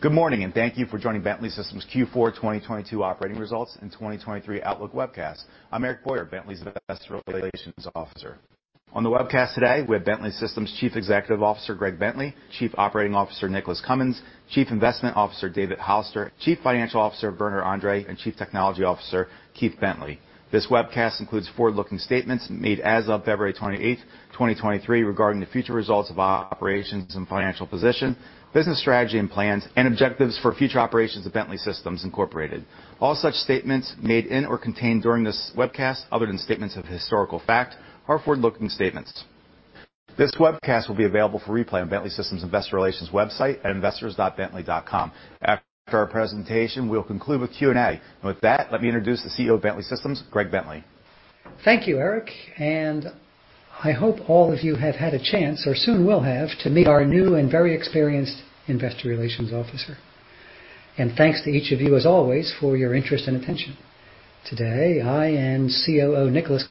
Good morning, and thank you for joining Bentley Systems' Q4 2022 Operating Results and 2023 Outlook Webcast. I'm Eric Boyer, Bentley's Investor Relations Officer. On the webcast today, we have Bentley Systems' Chief Executive Officer, Greg Bentley, Chief Operating Officer, Nicholas Cumins, Chief Investment Officer, David Hollister, Chief Financial Officer, Werner Andre, and Chief Technology Officer, Keith Bentley. This webcast includes forward-looking statements made as of February 28th, 2023, regarding the future results of our operations and financial position, business strategy and plans and objectives for future operations of Bentley Systems, Incorporated. All such statements made in or contained during this webcast, other than statements of historical fact, are forward-looking statements. This webcast will be available for replay on Bentley Systems Investor Relations website at investors.bentley.com. After our presentation, we'll conclude with Q&A. And with that, let me introduce the CEO of Bentley Systems, Greg Bentley. Thank you, Eric, I hope all of you have had a chance or soon will have to meet our new and very experienced investor relations officer. Thanks to each of you, as always, for your interest and attention. Today, I, COO Nicholas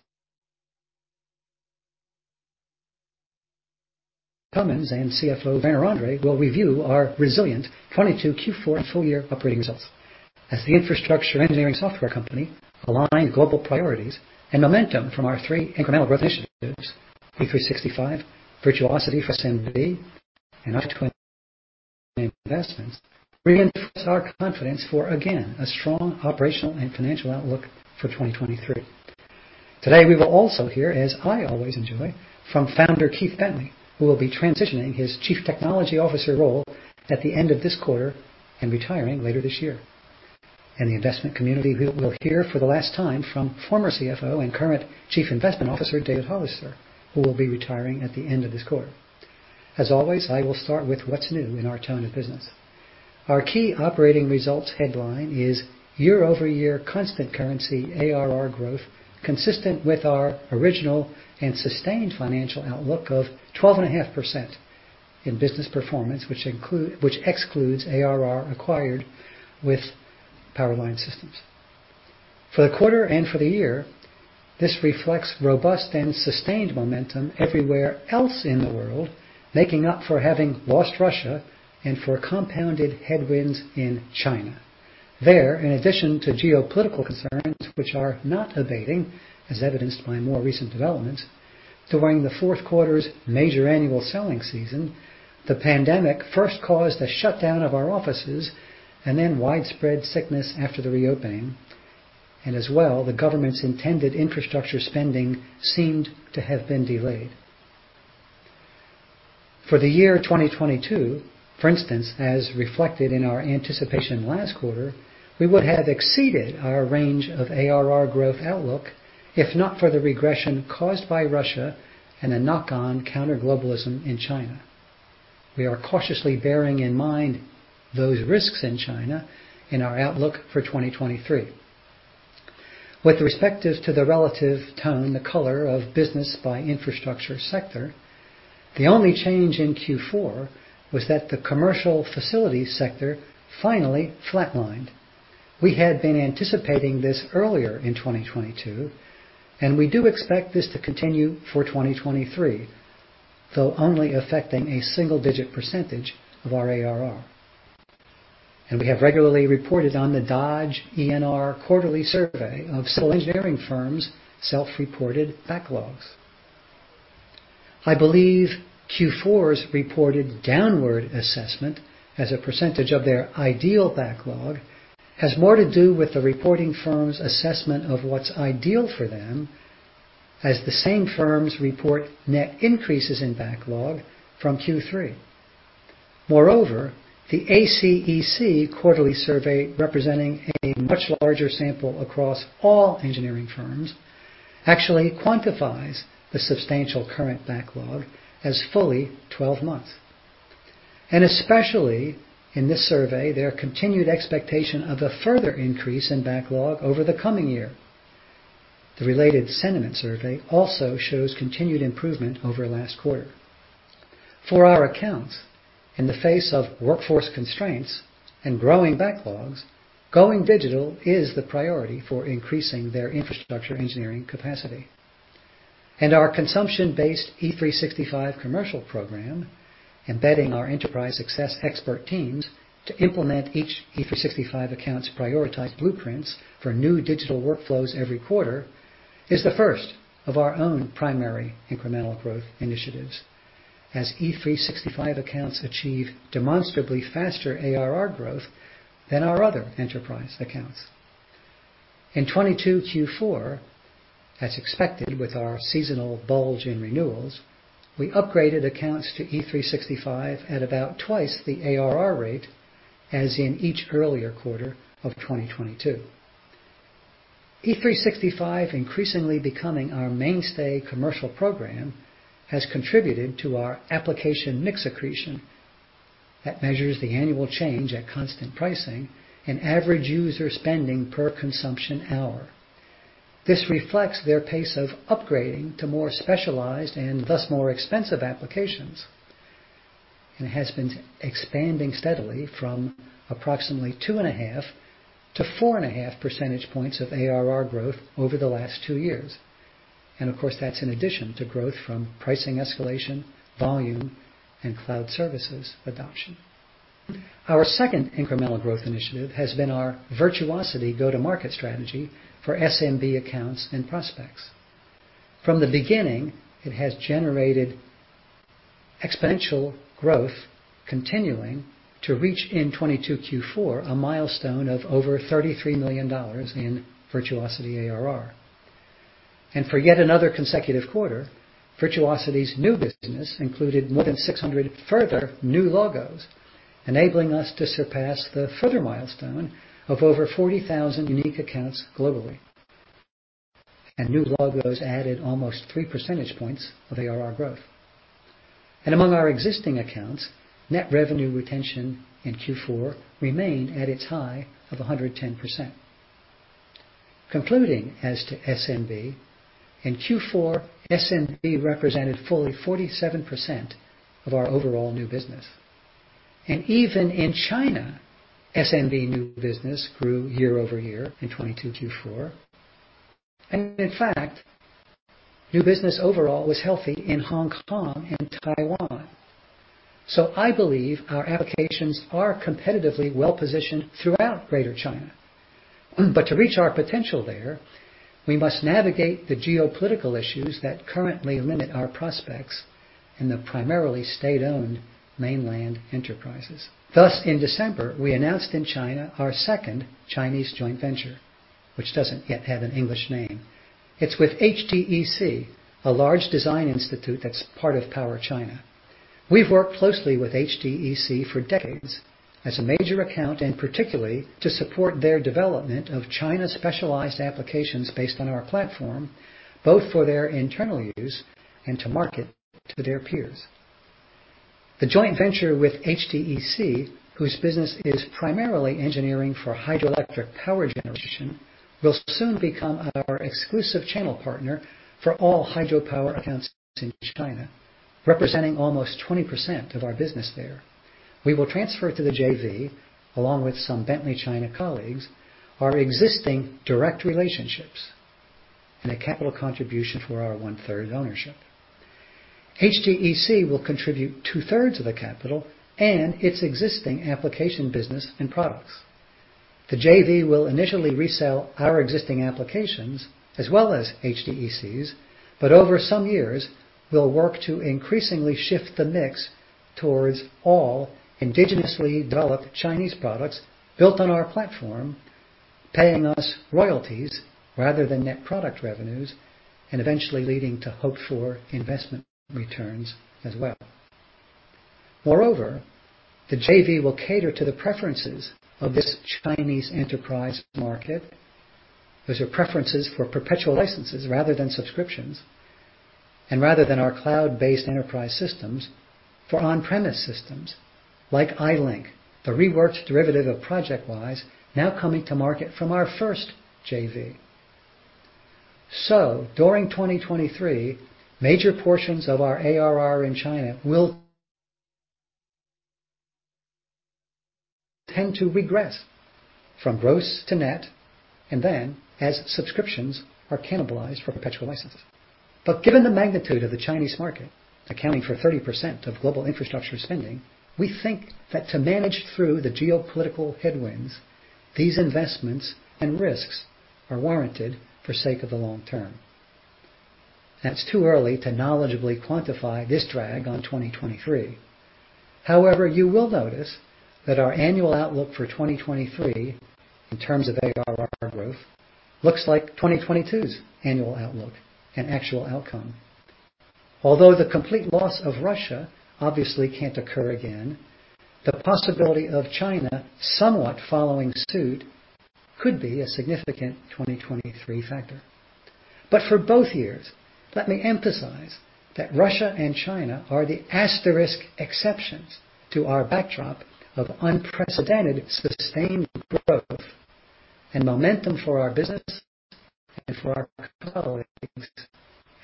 Cumins, and CFO Werner Andre will review our resilient 2022 Q4 full-year operating results. As the infrastructure engineering software company, aligned global priorities and momentum from our three incremental growth initiatives, E365, Virtuosity for SMB, and 2020 investments, reinforce our confidence for, again, a strong operational and financial outlook for 2023. Today, we will also hear, as I always enjoy, from founder Keith Bentley, who will be transitioning his Chief Technology Officer role at the end of this quarter and retiring later this year. The investment community will hear for the last time from former CFO and current Chief Investment Officer, David Hollister, who will be retiring at the end of this quarter. As always, I will start with what's new in our tone of business. Our key operating results headline is year-over-year constant currency ARR growth, consistent with our original and sustained financial outlook of 12.5% in business performance, which excludes ARR acquired with Power Line Systems. For the quarter and for the year, this reflects robust and sustained momentum everywhere else in the world, making up for having lost Russia and for compounded headwinds in China. There, in addition to geopolitical concerns, which are not abating, as evidenced by more recent developments, during the fourth quarter's major annual selling season, the pandemic first caused a shutdown of our offices and then widespread sickness after the reopening. As well, the government's intended infrastructure spending seemed to have been delayed. For the year 2022, for instance, as reflected in our anticipation last quarter, we would have exceeded our range of ARR growth outlook if not for the regression caused by Russia and a knock-on counter-globalism in China. We are cautiously bearing in mind those risks in China in our outlook for 2023. With respect to the relative tone, the color of business by infrastructure sector, the only change in Q4 was that the commercial facilities sector finally flatlined. We had been anticipating this earlier in 2022, and we do expect this to continue for 2023, though only affecting a single-digit % of our ARR. We have regularly reported on the Dodge ENR quarterly survey of civil engineering firms' self-reported backlogs. I believe Q4's reported downward assessment as a percentage of their ideal backlog has more to do with the reporting firm's assessment of what's ideal for them, as the same firms report net increases in backlog from Q3. Moreover, the ACEC quarterly survey, representing a much larger sample across all engineering firms, actually quantifies the substantial current backlog as fully 12 months. Especially in this survey, their continued expectation of a further increase in backlog over the coming year. The related sentiment survey also shows continued improvement over last quarter. For our accounts, in the face of workforce constraints and growing backlogs, going digital is the priority for increasing their infrastructure engineering capacity. Our consumption-based E365 commercial program, embedding our enterprise success expert teams to implement each E365 account's prioritized blueprints for new digital workflows every quarter, is the first of our own primary incremental growth initiatives as E365 accounts achieve demonstrably faster ARR growth than our other enterprise accounts. In 2022 Q4, as expected with our seasonal bulge in renewals, we upgraded accounts to E365 at about twice the ARR rate as in each earlier quarter of 2022. E365 increasingly becoming our mainstay commercial program has contributed to our application mix accretion that measures the annual change at constant pricing and average user spending per consumption hour. This reflects their pace of upgrading to more specialized and thus more expensive applications, and has been expanding steadily from approximately 2.5-4.5 percentage points of ARR growth over the last two years. Of course, that's in addition to growth from pricing escalation, volume, and cloud services adoption. Our second incremental growth initiative has been our Virtuosity go-to-market strategy for SMB accounts and prospects. From the beginning, it has generated exponential growth, continuing to reach in 2022 Q4, a milestone of over $33 million in Virtuosity ARR. For yet another consecutive quarter, Virtuosity's new business included more than 600 further new logos, enabling us to surpass the further milestone of over 40,000 unique accounts globally. New logos added almost three percentage points of ARR growth. Among our existing accounts, net revenue retention in Q4 remained at its high of 110%. Concluding as to SMB, in Q4, SMB represented fully 47% of our overall new business. Even in China, SMB new business grew year-over-year in 2022 Q4. In fact, new business overall was healthy in Hong Kong and Taiwan. I believe our applications are competitively well-positioned throughout Greater China. To reach our potential there, we must navigate the geopolitical issues that currently limit our prospects in the primarily state-owned mainland enterprises. In December, we announced in China our second Chinese joint venture, which doesn't yet have an English name. It's with HDEC, a large design institute that's part of PowerChina. We've worked closely with HDEC for decades as a major account, and particularly to support their development of China-specialized applications based on our platform, both for their internal use and to market to their peers. The joint venture with HDEC, whose business is primarily engineering for hydroelectric power generation, will soon become our exclusive channel partner for all hydropower accounts in China, representing almost 20% of our business there. We will transfer to the JV, along with some Bentley China colleagues, our existing direct relationships, and a capital contribution for our one-third ownership. HDEC will contribute two-thirds of the capital and its existing application business and products. The JV will initially resell our existing applications as well as HDEC's. Over some years we'll work to increasingly shift the mix towards all indigenously developed Chinese products built on our platform, paying us royalties rather than net product revenues, and eventually leading to hoped-for investment returns as well. The JV will cater to the preferences of this Chinese enterprise market. Those are preferences for perpetual licenses rather than subscriptions, and rather than our cloud-based enterprise systems, for on-premise systems like iLink, the reworked derivative of ProjectWise now coming to market from our first JV. During 2023, major portions of our ARR in China will tend to regress from gross to net. As subscriptions are cannibalized for perpetual licenses. Given the magnitude of the Chinese market, accounting for 30% of global infrastructure spending, we think that to manage through the geopolitical headwinds, these investments and risks are warranted for sake of the long term. That's too early to knowledgeably quantify this drag on 2023. You will notice that our annual outlook for 2023 in terms of ARR growth looks like 2022's annual outlook and actual outcome. The complete loss of Russia obviously can't occur again, the possibility of China somewhat following suit could be a significant 2023 factor. For both years, let me emphasize that Russia and China are the asterisk exceptions to our backdrop of unprecedented sustained growth and momentum for our business and for our colleagues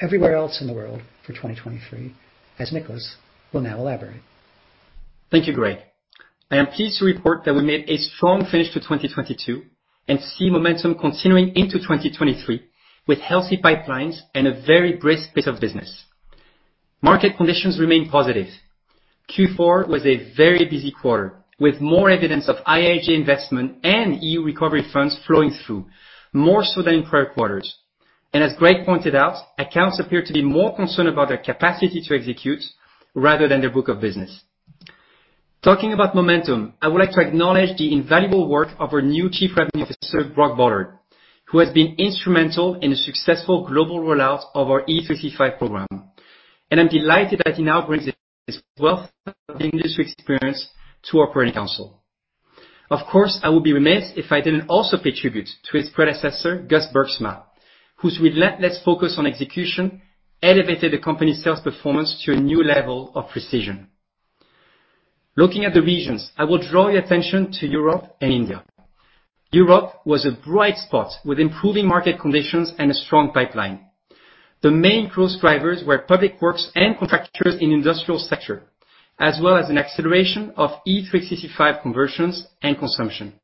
everywhere else in the world for 2023, as Nicholas will now elaborate. Thank you, Greg. I am pleased to report that we made a strong finish to 2022, see momentum continuing into 2023 with healthy pipelines and a very brisk bit of business. Market conditions remain positive. Q4 was a very busy quarter, with more evidence of IIJA investment and EU recovery funds flowing through, more so than in prior quarters. As Greg pointed out, accounts appear to be more concerned about their capacity to execute rather than their book of business. Talking about momentum, I would like to acknowledge the invaluable work of our new Chief Revenue Officer, Brock Ballard, who has been instrumental in the successful global rollout of our E365 program. I'm delighted that he now brings his wealth of industry experience to our operating council. I would be remiss if I didn't also pay tribute to his predecessor, Gus Bergsma, whose relentless focus on execution elevated the company's sales performance to a new level of precision. Looking at the regions, I will draw your attention to Europe and India. Europe was a bright spot with improving market conditions and a strong pipeline. The main growth drivers were public works and contractors in industrial sector, as well as an acceleration of E365 conversions and consumption.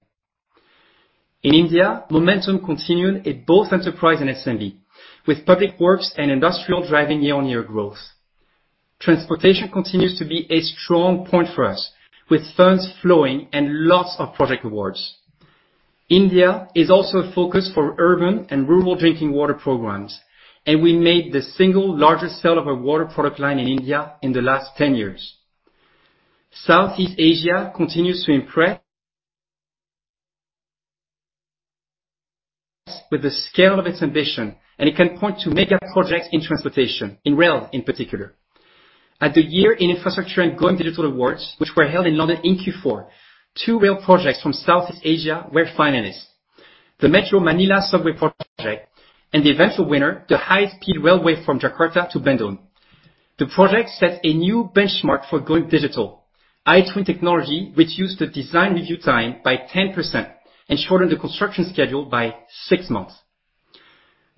In India, momentum continued at both enterprise and SMB, with public works and industrial driving year-on-year growth. Transportation continues to be a strong point for us, with funds flowing and lots of project awards. India is also a focus for urban and rural drinking water programs, and we made the single largest sale of a water product line in India in the last 10 years. Southeast Asia continues to impress with the scale of its ambition. It can point to mega projects in transportation, in rail in particular. At the Year in Infrastructure and Going Digital Awards, which were held in London in Q4, two rail projects from Southeast Asia were finalists: the Metro Manila Subway project and the eventual winner, the high-speed railway from Jakarta to Bandung. The project sets a new benchmark for going digital. iTwin technology reduced the design review time by 10% and shortened the construction schedule by six months.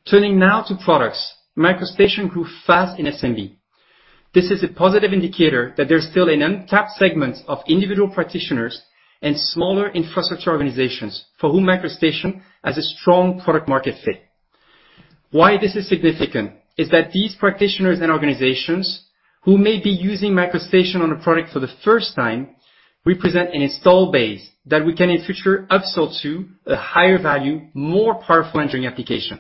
Turning now to products, MicroStation grew fast in SMB. This is a positive indicator that there's still an untapped segment of individual practitioners and smaller infrastructure organizations for whom MicroStation has a strong product market fit. Why this is significant is that these practitioners and organizations who may be using MicroStation on a product for the first time represent an install base that we can in future upsell to a higher value, more powerful engineering application.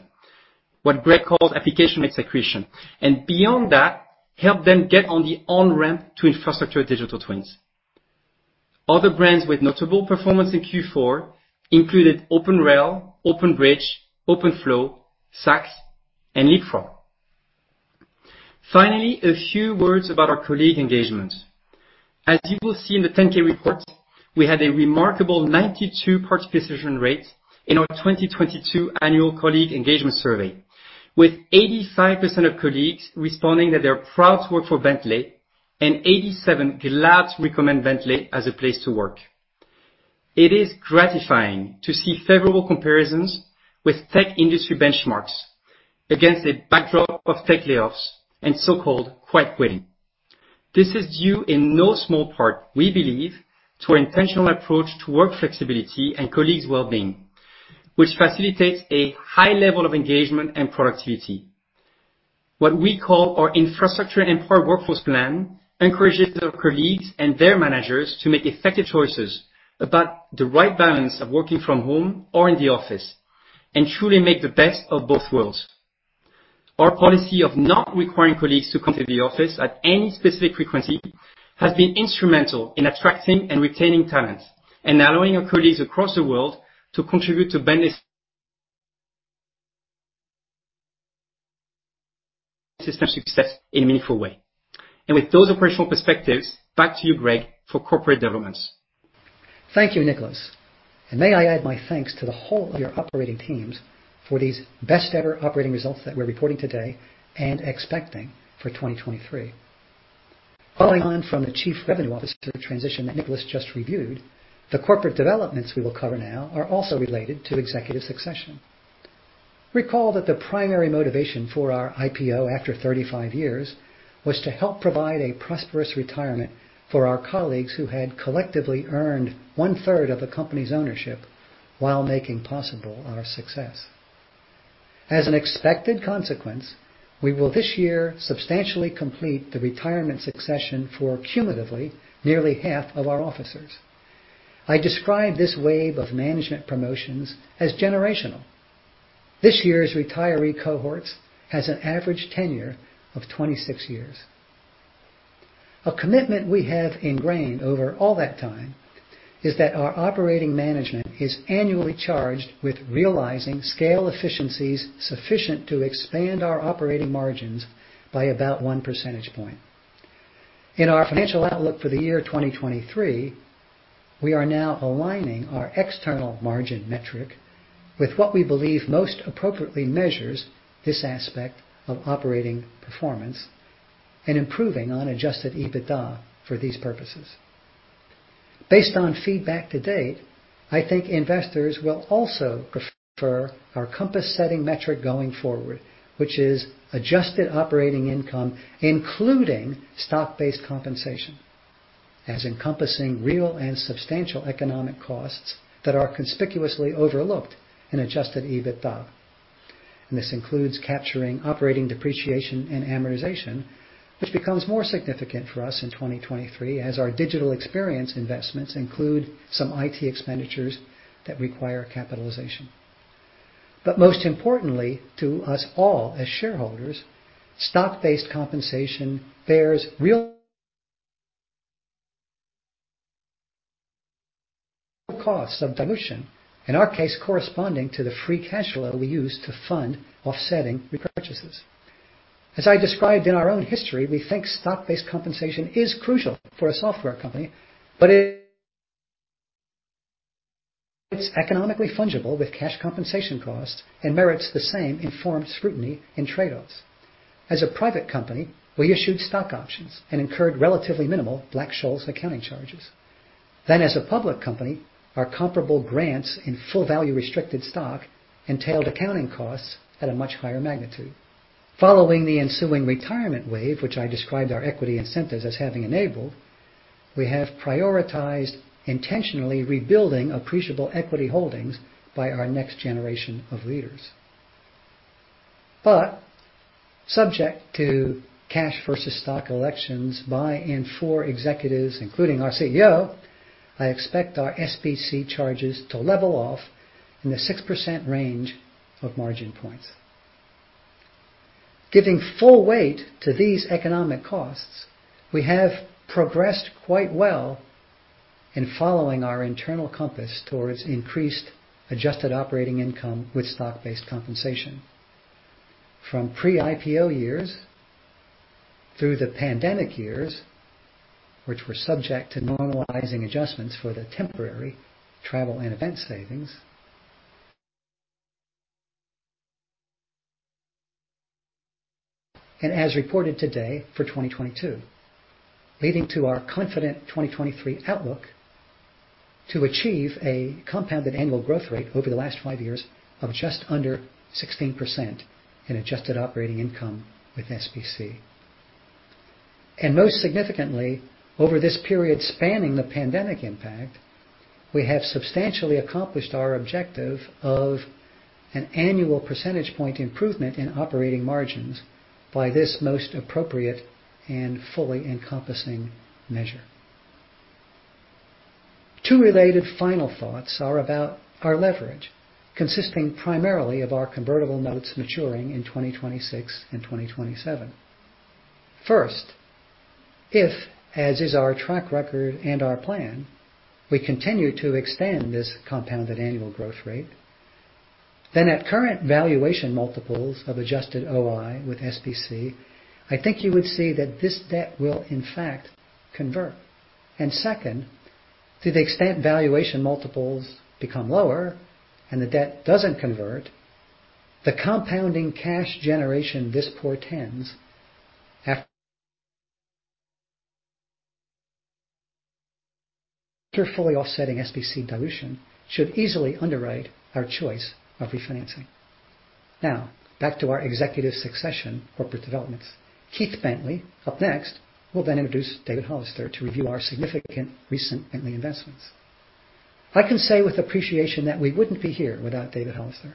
What Greg calls application mixed accretion, and beyond that, help them get on the on-ramp to infrastructure digital twins. Other brands with notable performance in Q4 included OpenRail, OpenBridge, OpenFlows, SACS, and Leapfrog. Finally, a few words about our colleague engagement. As you will see in the 10-K report, we had a remarkable 92% participation rate in our 2022 annual colleague engagement survey, with 85% of colleagues responding that they are proud to work for Bentley, and 87% glad to recommend Bentley as a place to work. It is gratifying to see favorable comparisons with tech industry benchmarks against a backdrop of tech layoffs and so-called quiet quitting. This is due in no small part, we believe, to our intentional approach to work flexibility and colleagues' well-being, which facilitates a high level of engagement and productivity. What we call our infrastructure-empowered workforce plan encourages our colleagues and their managers to make effective choices about the right balance of working from home or in the office and truly make the best of both worlds. Our policy of not requiring colleagues to come to the office at any specific frequency has been instrumental in attracting and retaining talent and allowing our colleagues across the world to contribute to Bentley's success in a meaningful way. With those operational perspectives, back to you, Greg, for corporate developments. Thank you, Nicholas. May I add my thanks to the whole of your operating teams for these best-ever operating results that we're reporting today and expecting for 2023. Following on from the Chief Revenue Officer transition that Nicholas just reviewed, the corporate developments we will cover now are also related to executive succession. Recall that the primary motivation for our IPO after 35 years was to help provide a prosperous retirement for our colleagues who had collectively earned one-third of the company's ownership while making possible our success. As an expected consequence, we will this year substantially complete the retirement succession for cumulatively nearly half of our officers. I describe this wave of management promotions as generational. This year's retiree cohorts has an average tenure of 26 years. A commitment we have ingrained over all that time is that our operating management is annually charged with realizing scale efficiencies sufficient to expand our operating margins by about 1 percentage point. In our financial outlook for the year 2023, we are now aligning our external margin metric with what we believe most appropriately measures this aspect of operating performance and improving on adjusted EBITDA for these purposes. Based on feedback to date, I think investors will also prefer our compass setting metric going forward, which is adjusted operating income, including stock-based compensation, as encompassing real and substantial economic costs that are conspicuously overlooked in adjusted EBITDA. This includes capturing operating depreciation and amortization, which becomes more significant for us in 2023 as our digital experience investments include some IT expenditures that require capitalization. Most importantly, to us all as shareholders, stock-based compensation bears real costs of dilution, in our case, corresponding to the free cash flow we use to fund offsetting repurchases. As I described in our own history, we think stock-based compensation is crucial for a software company, but it's economically fungible with cash compensation costs and merits the same informed scrutiny in trade-offs. As a private company, we issued stock options and incurred relatively minimal Black-Scholes accounting charges. As a public company, our comparable grants in full value restricted stock entailed accounting costs at a much higher magnitude. Following the ensuing retirement wave, which I described our equity incentives as having enabled. We have prioritized intentionally rebuilding appreciable equity holdings by our next generation of leaders. Subject to cash versus stock elections by and for executives, including our CEO, I expect our SBC charges to level off in the 6% range of margin points. Giving full weight to these economic costs, we have progressed quite well in following our internal compass towards increased adjusted operating income with stock-based compensation. From pre-IPO years through the pandemic years, which were subject to normalizing adjustments for the temporary travel and event savings. As reported today for 2022, leading to our confident 2023 outlook to achieve a compounded annual growth rate over the last five years of just under 16% in adjusted operating income with SBC. Most significantly, over this period spanning the pandemic impact, we have substantially accomplished our objective of an annual percentage point improvement in operating margins by this most appropriate and fully encompassing measure. Two related final thoughts are about our leverage, consisting primarily of our convertible notes maturing in 2026 and 2027. First, if, as is our track record and our plan, we continue to extend this compounded annual growth rate, then at current valuation multiples of adjusted OI with SBC, I think you would see that this debt will in fact convert. Second, to the extent valuation multiples become lower and the debt doesn't convert, the compounding cash generation this portends after fully offsetting SBC dilution should easily underwrite our choice of refinancing. Back to our executive succession corporate developments. Keith Bentley, up next, will introduce David Hollister to review our significant recent Bentley investments. I can say with appreciation that we wouldn't be here without David Hollister.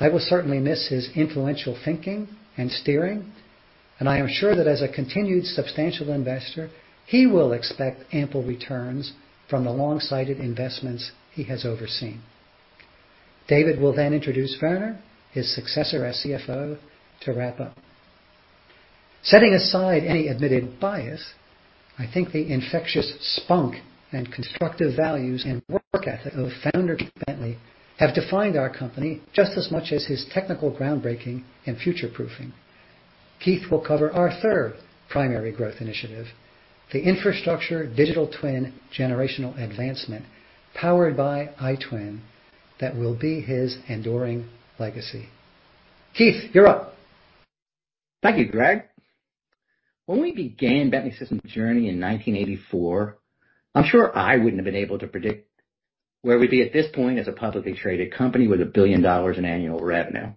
I will certainly miss his influential thinking and steering, and I am sure that as a continued substantial investor, he will expect ample returns from the long-sighted investments he has overseen. David will then introduce Werner, his successor as CFO, to wrap up. Setting aside any admitted bias, I think the infectious spunk and constructive values and work ethic of founder Keith Bentley have defined our company just as much as his technical groundbreaking and future-proofing. Keith will cover our third primary growth initiative, the infrastructure digital twin generational advancement powered by iTwin that will be his enduring legacy. Keith, you're up. Thank you, Greg. When we began Bentley Systems' journey in 1984, I'm sure I wouldn't have been able to predict where we'd be at this point as a publicly traded company with $1 billion in annual revenue.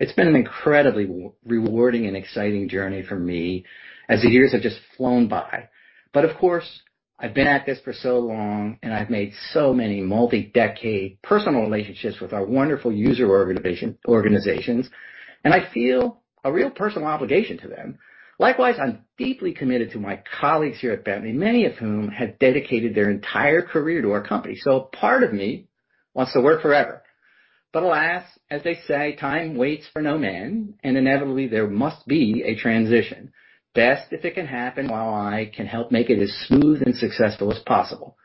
It's been an incredibly rewarding and exciting journey for me as the years have just flown by. Of course, I've been at this for so long, and I've made so many multi-decade personal relationships with our wonderful user organizations, and I feel a real personal obligation to them. Likewise, I'm deeply committed to my colleagues here at Bentley, many of whom have dedicated their entire career to our company. Part of me wants to work forever. But alas, as they say, time waits for no man, and inevitably there must be a transition. Best if it can happen while I can help make it as smooth and successful as possible.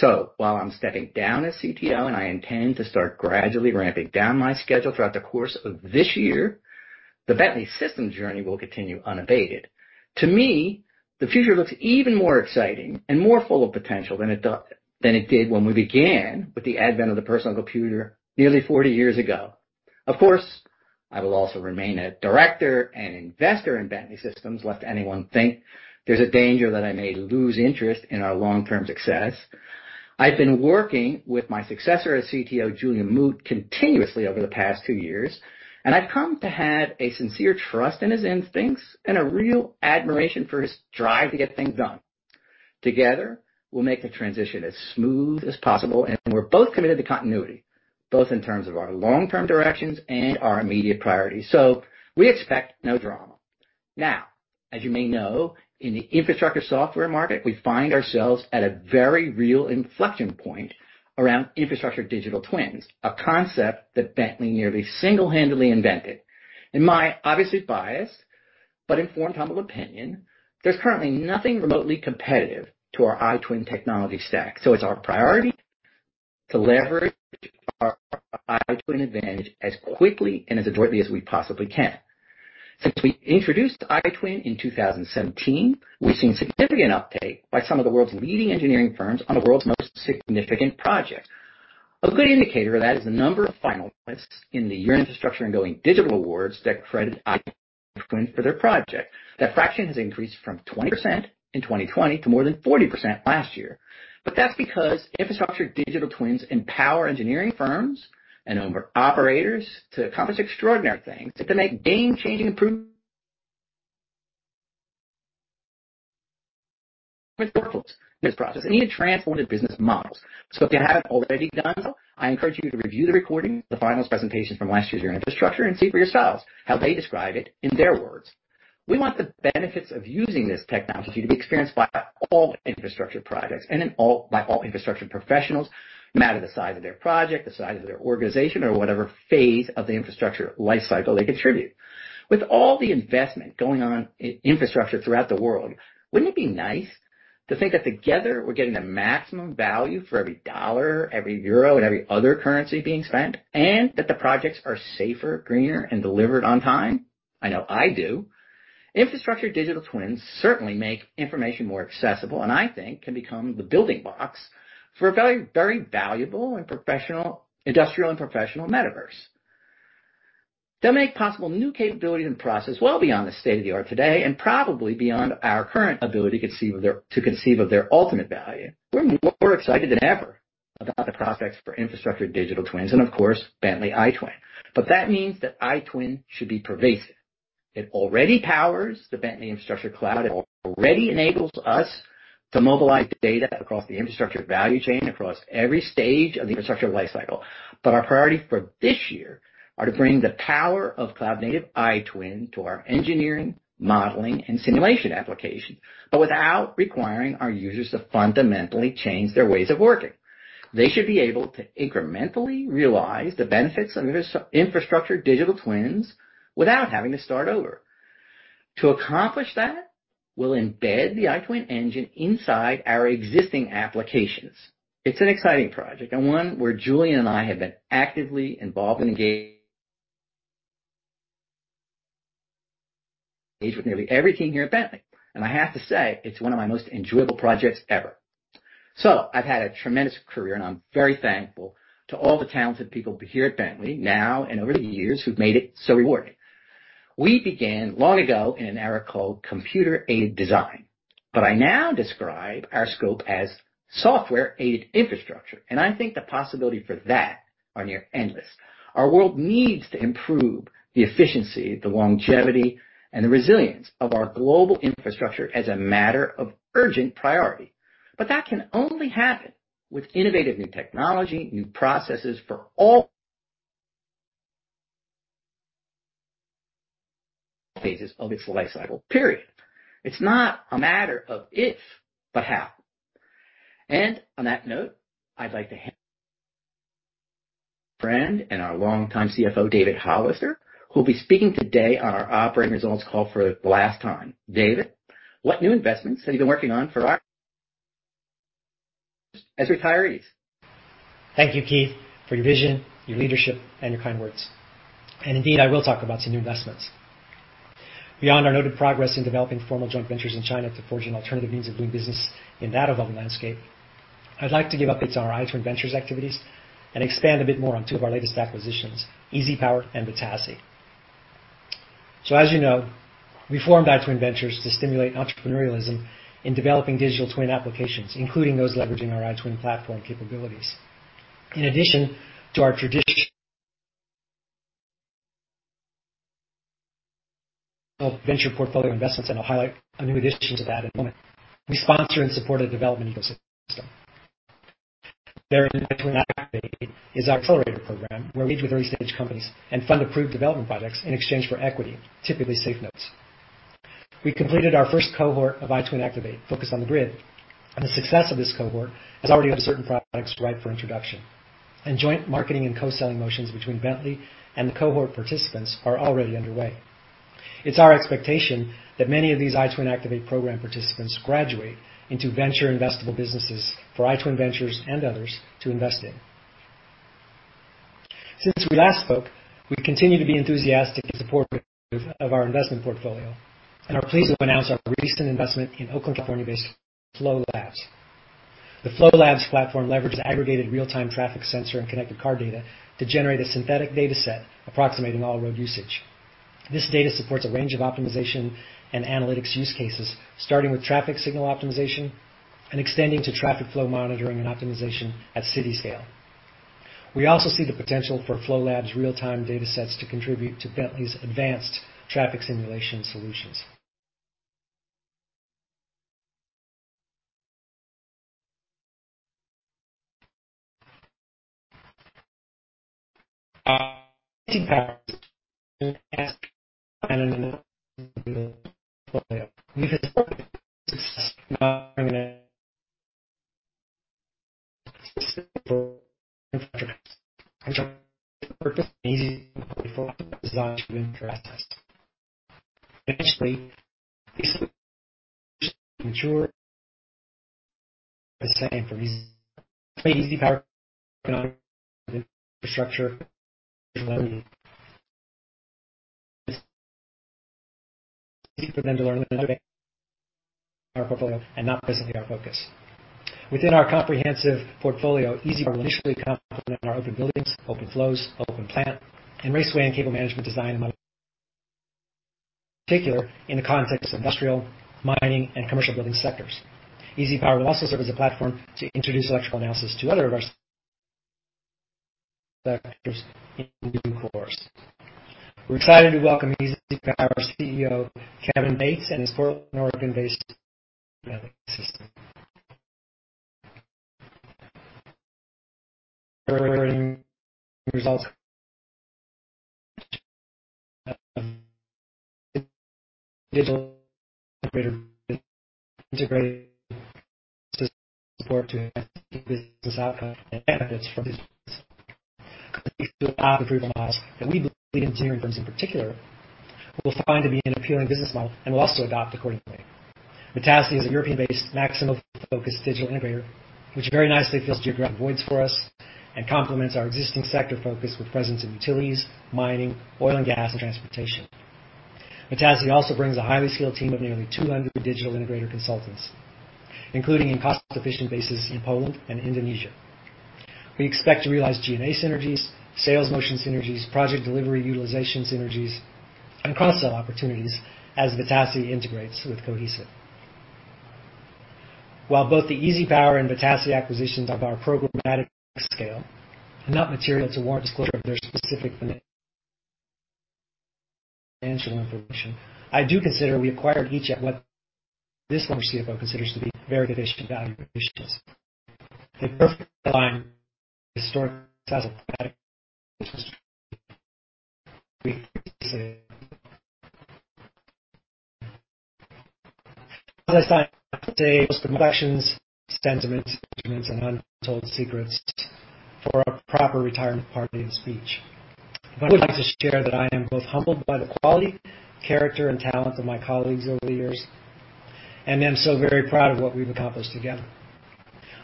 While I'm stepping down as CTO, and I intend to start gradually ramping down my schedule throughout the course of this year, the Bentley Systems journey will continue unabated. To me, the future looks even more exciting and more full of potential than it did when we began with the advent of the personal computer nearly 40 years ago. Of course, I will also remain a director and investor in Bentley Systems, lest anyone think there's a danger that I may lose interest in our long-term success. I've been working with my successor as CTO, Julien Moutte, continuously over the past two years, and I've come to have a sincere trust in his instincts and a real admiration for his drive to get things done. Together, we'll make the transition as smooth as possible, and we're both committed to continuity, both in terms of our long-term directions and our immediate priorities. We expect no drama. Now, as you may know, in the infrastructure software market, we find ourselves at a very real inflection point around infrastructure digital twins, a concept that Bentley nearly single-handedly invented. In my obviously biased but informed humble opinion, there's currently nothing remotely competitive to our iTwin technology stack. It's our priority to leverage our iTwin advantage as quickly and as adroitly as we possibly can. Since we introduced iTwin in 2017, we've seen significant uptake by some of the world's leading engineering firms on the world's most significant projects. A good indicator of that is the number of finalists in the Year in Infrastructure and Going Digital Awards that credit iTwin for their project. That fraction has increased from 20% in 2020 to more than 40% last year. That's because infrastructure digital twins empower engineering firms and owner-operators to accomplish extraordinary things, to make game-changing improvements with workflows, this process, and even transformative business models. If you haven't already done so, I encourage you to review the recording, the finals presentation from last year's infrastructure, and see for yourselves how they describe it in their words. We want the benefits of using this technology to be experienced by all infrastructure projects and by all infrastructure professionals, no matter the size of their project, the size of their organization, or whatever phase of the infrastructure lifecycle they contribute. With all the investment going on in infrastructure throughout the world, wouldn't it be nice to think that together we're getting the maximum value for every dollar, every euro, and every other currency being spent, and that the projects are safer, greener, and delivered on time? I know I do. Infrastructure digital twins certainly make information more accessible, and I think can become the building blocks for a very, very valuable industrial and professional metaverse. That make possible new capabilities and process well beyond the state-of-the-art today and probably beyond our current ability to conceive of their ultimate value. We're more excited than ever about the prospects for infrastructure digital twins and of course, Bentley iTwin. That means that iTwin should be pervasive. It already powers the Bentley Infrastructure Cloud. It already enables us to mobilize data across the infrastructure value chain across every stage of the infrastructure lifecycle. Our priority for this year are to bring the power of cloud-native iTwin to our engineering, modeling, and simulation applications, but without requiring our users to fundamentally change their ways of working. They should be able to incrementally realize the benefits of infra-infrastructure digital twins without having to start over. To accomplish that, we'll embed the iTwin engine inside our existing applications. It's an exciting project and one where Julien and I have been actively involved and engaged, with nearly every team here at Bentley. I have to say, it's one of my most enjoyable projects ever. I've had a tremendous career, and I'm very thankful to all the talented people here at Bentley now and over the years who've made it so rewarding. We began long ago in an era called computer-aided design, but I now describe our scope as software-aided infrastructure. I think the possibility for that are near endless. Our world needs to improve the efficiency, the longevity, and the resilience of our global infrastructure as a matter of urgent priority. That can only happen with innovative new technology, new processes for all phases of its lifecycle, period. It's not a matter of if, but how. On that note, I'd like to hand friend and our longtime CFO, David Hollister, who will be speaking today on our operating results call for the last time. David, what new investments have you been working on for our as retirees? Thank you, Keith, for your vision, your leadership, and your kind words. Indeed, I will talk about some new investments. Beyond our noted progress in developing formal joint ventures in China to forge an alternative means of doing business in that evolving landscape, I'd like to give updates on our iTwin Ventures activities and expand a bit more on two of our latest acquisitions, EasyPower and Vetasi. As you know, we formed iTwin Ventures to stimulate entrepreneurialism in developing digital twin applications, including those leveraging our iTwin platform capabilities. In addition to our traditional venture portfolio investments, and I'll highlight a new addition to that in a moment, we sponsor and support a development ecosystem. There in iTwin Activate is our accelerator program, where we engage with early-stage companies and fund approved development projects in exchange for equity, typically SAFE notes. We completed our first cohort of iTwin Activate, focused on the grid, and the success of this cohort has already had certain products ripe for introduction. Joint marketing and co-selling motions between Bentley and the cohort participants are already underway. It's our expectation that many of these iTwin Activate program participants graduate into venture investable businesses for iTwin Ventures and others to invest in. Since we last spoke, we continue to be enthusiastic and supportive of our investment portfolio and are pleased to announce our recent investment in Oakland, California-based Flow Labs. The Flow Labs platform leverages aggregated real-time traffic sensor and connected car data to generate a synthetic data set approximating all road usage. This data supports a range of optimization and analytics use cases, starting with traffic signal optimization and extending to traffic flow monitoring and optimization at city-scale. We also see the potential for Flow Labs' real-time data sets to contribute to Bentley's advanced traffic simulation solutions. Within our comprehensive portfolio, EasyPower will initially complement our OpenBuildings, OpenFlows, OpenPlant, and Raceway and Cable Management design, particular in the context of industrial, mining, and commercial building sectors. EasyPower will also serve as a platform to introduce electrical analysis to other of our Sectors in due course. We're excited to welcome EasyPower CEO, Kevin Bates, and his Portland, Oregon-based system. Results. Integrated support to business outcomes and benefits from these business models that we believe engineering firms in particular will find to be an appealing business model and will also adopt accordingly. Vetasi is a European-based maximum focused digital integrator, which very nicely fills geographic voids for us and complements our existing sector focus with presence in utilities, mining, oil and gas, and transportation. Vetasi also brings a highly skilled team of nearly 200 digital integrator consultants, including in cost-efficient bases in Poland and Indonesia. We expect to realize G&A synergies, sales motion synergies, project delivery utilization synergies, and cross-sell opportunities as Vetasi integrates with Cohesive. While both the EasyPower and Vetasi acquisitions are of our programmatic scale and not material to warrant disclosure of their specific financial information, I do consider we acquired each at what this former CFO considers to be very efficient value acquisitions. The perfect line historically untold secrets for a proper retirement party and speech. I would like to share that I am both humbled by the quality, character, and talent of my colleagues over the years, and am so very proud of what we've accomplished together.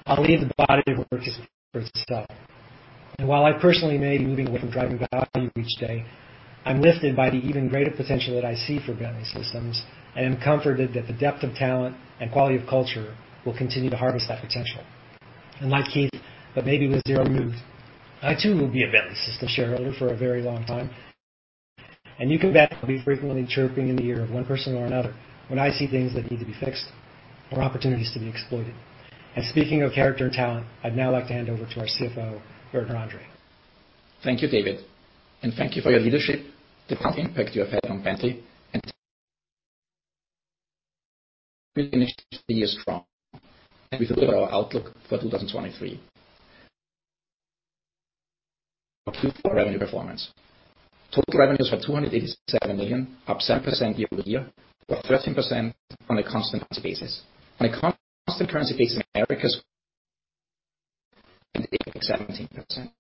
I'll leave the body of work for itself. While I personally may be moving away from driving value each day, I'm lifted by the even greater potential that I see for Bentley Systems, and am comforted that the depth of talent and quality of culture will continue to harvest that potential. Like Keith, but maybe with zero mood, I too will be a Bentley Systems shareholder for a very long time, and you can bet I'll be frequently chirping in the ear of one person or another when I see things that need to be fixed or opportunities to be exploited. Speaking of character and talent, I'd now like to hand over to our CFO, Werner Andre. Thank you, David, and thank you for your leadership, the impact you have had on Bentley. We finished the year strong with our outlook for 2023. Revenue performance. Total revenues for $287 million, up 7% year-over-year, or 13% on a constant currency basis. On a constant currency basis, Americas, 17%.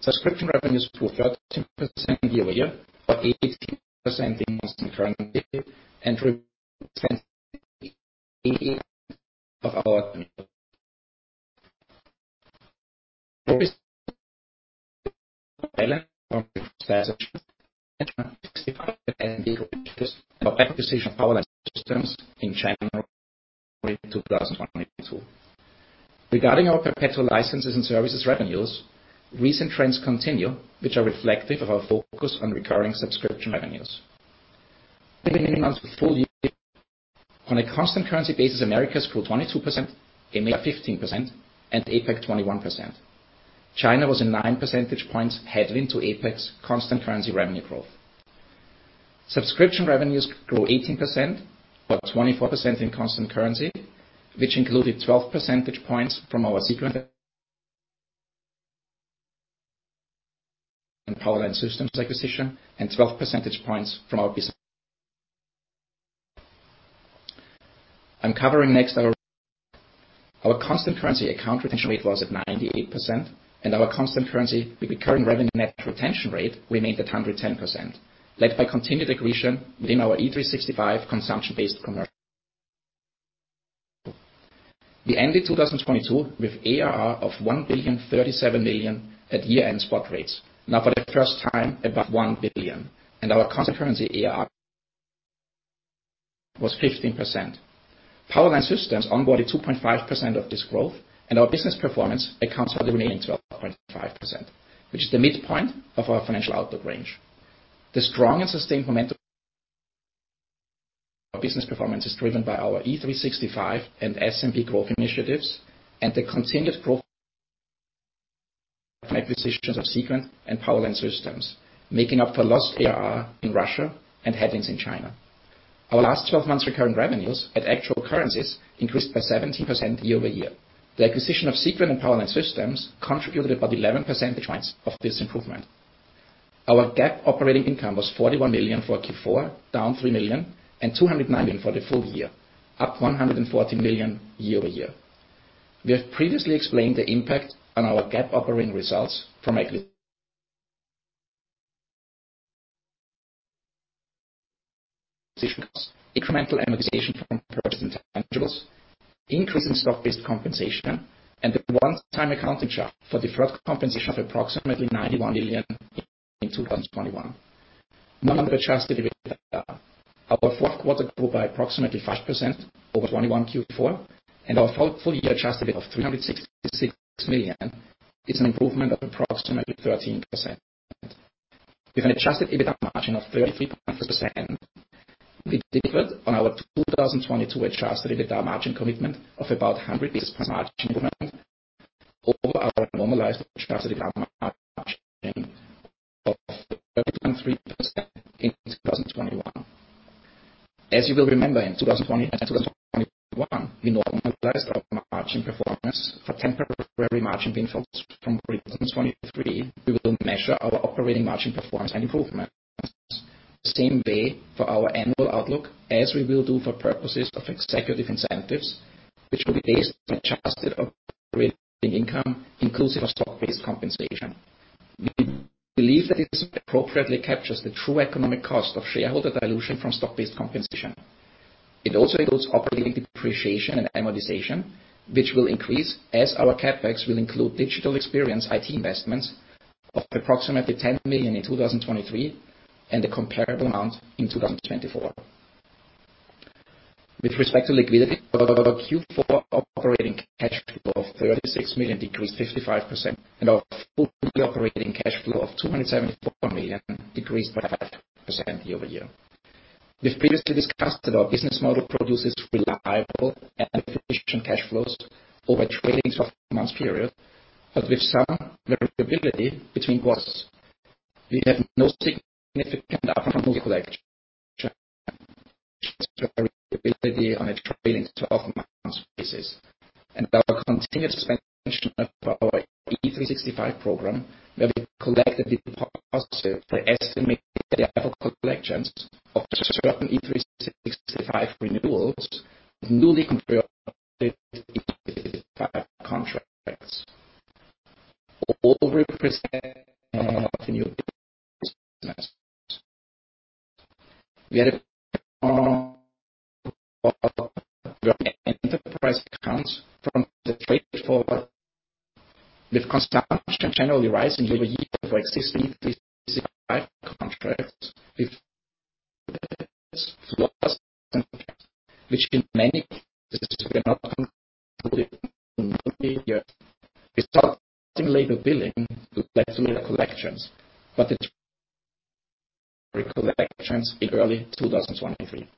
Subscription revenues grew 13% year-over-year, or 18% in constant currency E365 and Virtuosity. Our acquisition of Power Line Systems in January 2022. Regarding our perpetual licenses and services revenues, recent trends continue which are reflective of our focus on recurring subscription revenues. Many months with full year. On a constant currency basis, Americas grew 22%, EMEA 15%, and APAC 21%. China was a 9 percentage points headwind to APAC's constant currency revenue growth. Subscription revenues grew 18%, or 24% in constant currency, which included 12 percentage points from our Seequent and Power Line Systems acquisition and 12 percentage points from our business. Our constant currency account retention rate was at 98%, and our constant currency recurring revenue net retention rate remained at 110%, led by continued accretion within our E365 consumption-based commercial. We ended 2022 with ARR of $1.037 billion at year-end spot rates. For the first time above $1 billion. Our constant currency ARR was 15%. Power Line Systems onboarded 2.5% of this growth and our business performance accounts for the remaining 12.5%, which is the midpoint of our financial outlook range. The strong and sustained momentum. Our business performance is driven by our E365 and SMP growth initiatives and the continued growth. Acquisitions of Seequent and Power Line Systems, making up for lost ARR in Russia and headwinds in China. Our last 12 months recurring revenues at actual currencies increased by 17% year-over-year. The acquisition of Seequent and Power Line Systems contributed about 11 percentage points of this improvement. Our GAAP operating income was $41 million for Q4, down $3 million, and $209 million for the full year, up $140 million year-over-year. We have previously explained the impact on our GAAP operating results from acquisition costs. Incremental amortization from purchased intangibles, increase in stock-based compensation, and the one-time accounting charge for deferred compensation of approximately $91 million in 2021. Moving on adjusted EBITDA. Our fourth quarter grew by approximately 5% over 2021 Q4, and our full year adjusted of $366 million is an improvement of approximately 13%. With an adjusted EBITDA margin of 33%. We delivered on our 2022 adjusted EBITDA margin commitment of about 100 basis point margin improvement over our normalized adjusted EBITDA margin of 30.3% in 2021. As you will remember, in 2020 and 2021, we normalized our margin performance for temporary margin inflows. From 2023, we will measure our operating margin performance and improvements same way for our annual outlook as we will do for purposes of executive incentives, which will be based on adjusted operating income inclusive of stock-based compensation. We believe that this appropriately captures the true economic cost of shareholder dilution from stock-based compensation. It also includes operating depreciation and amortization, which will increase as our CapEx will include digital experience IT investments of approximately $10 million in 2023, and a comparable amount in 2024. With respect to liquidity, our Q4 operating cash flow of $36 million decreased 55%, and our full year operating cash flow of $274 million decreased by 5% year-over-year. We've previously discussed that our business model produces reliable and efficient cash flows over a trailing 12 months period, but with some variability between quarters. We had no significant upfront collections variability on a trailing 12 months basis, and our continued suspension of our E365 program where we collected the deposit to estimate the collections of certain E365 renewals and newly completed E365 contracts over represented new business. We had a enterprise accounts from the straightforward with consumption generally rising year-over-year for existing E365 contracts with which in many cases were not last year. We start stimulating billing led to later collections, but the collections in early 2023.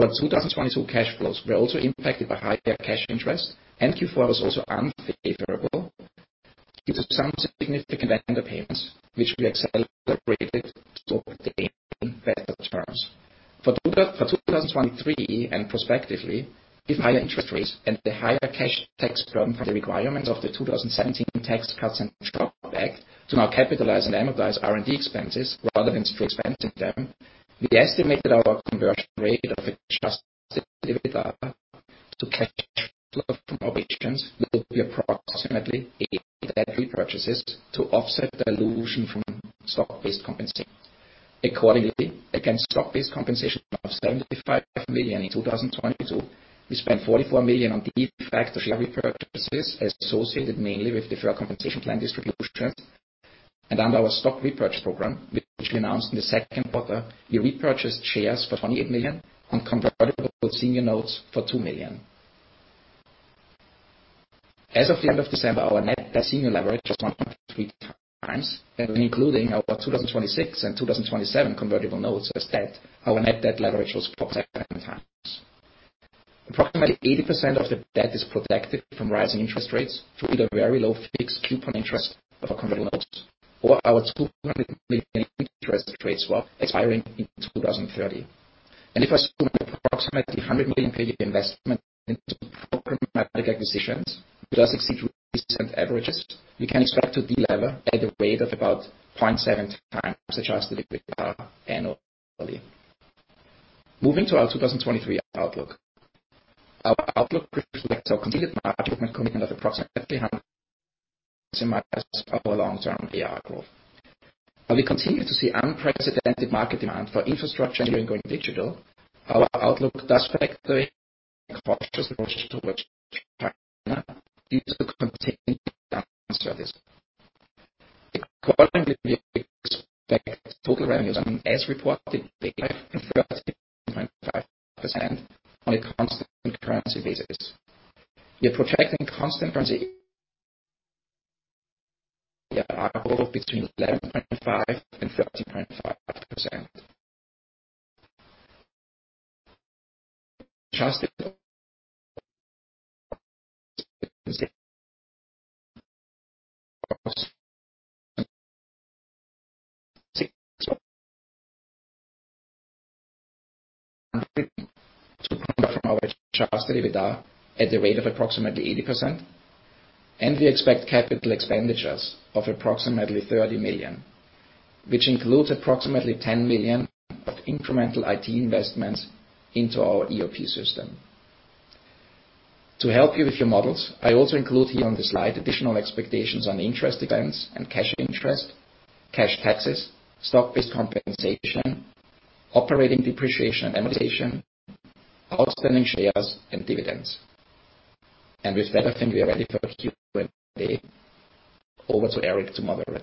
Our 2022 cash flows were also impacted by higher cash interest, and Q4 was also unfavorable due to some significant vendor payments, which we accelerated to obtain better terms. For 2023 and prospectively with higher interest rates and the higher cash tax burden for the requirement of the 2017 Tax Cuts and Jobs Act to now capitalize and amortize R&D expenses rather than through expensing them, we estimated our conversion rate of adjusted EBITDA to cash flow from operations will be approximately 8 debt repurchases to offset dilution from stock-based compensation. Accordingly, against stock-based compensation of $75 million in 2022, we spent $44 million on de-facto share repurchases associated mainly with deferred compensation plan distributions. Under our stock repurchase program, which we announced in the second quarter, we repurchased shares for $28 million on convertible senior notes for $2 million. As of the end of December, our net senior leverage was 1.3x, and including our 2026 and 2027 convertible notes as debt, our net debt leverage was 4.7x. Approximately 80% of the debt is protected from rising interest rates through either very low fixed coupon interest of our convertible notes or our $200 million interest rates while expiring in 2030. If our approximately $100 million paid investment into programmatic acquisitions does exceed recent averages, we can expect to delever at a rate of about 0.7x adjusted EBITDA annually. Moving to our 2023 outlook. Our outlook reflects our continued margin commitment of approximately hundred maximize our long-term AR growth. While we continue to see unprecedented market demand for infrastructure and going digital, our outlook does factor in a cautious approach towards China due to contained demand for our services. We expect total revenues on as reported to be 11.5% on a constant currency basis. We are projecting constant currency between 11.5% and 13.5%. Adjusted from our adjusted EBITDA at the rate of approximately 80%. We expect capital expenditures of approximately $30 million, which includes approximately $10 million of incremental IT investments into our ERP system. To help you with your models, I also include here on the slide additional expectations on interest expense and cash interest, cash taxes, stock-based compensation, operating depreciation and amortization, outstanding shares, and dividends. With that, I think we are ready for Q&A. Over to Eric to moderate.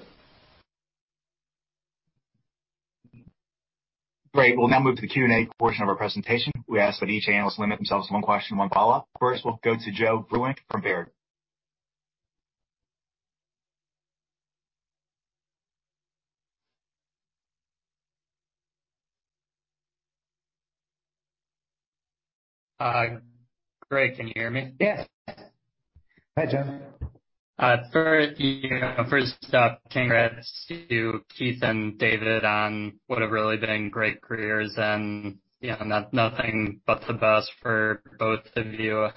Great. We'll now move to the Q&A portion of our presentation. We ask that each analyst limit themselves one question and one follow-up. First, we'll go to Joe Vruwink from Baird. Greg, can you hear me? Yes. Hi, Joe. First year, first up, congrats to Keith and David on what have really been great careers and, you know, nothing but the best for both of you.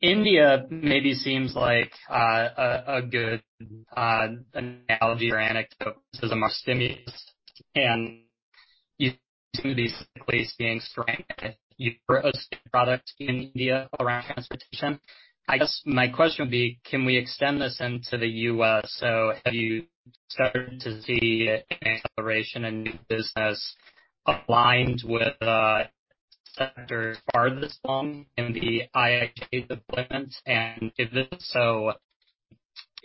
India maybe seems like a good analogy or anecdote because of the stimulus, and you do these places being strengthened. You've grown products in India around transportation. I guess my question would be, can we extend this into the U.S.? Have you started to see an acceleration in new business aligned with centers far this long in the IIJA deployment? If so,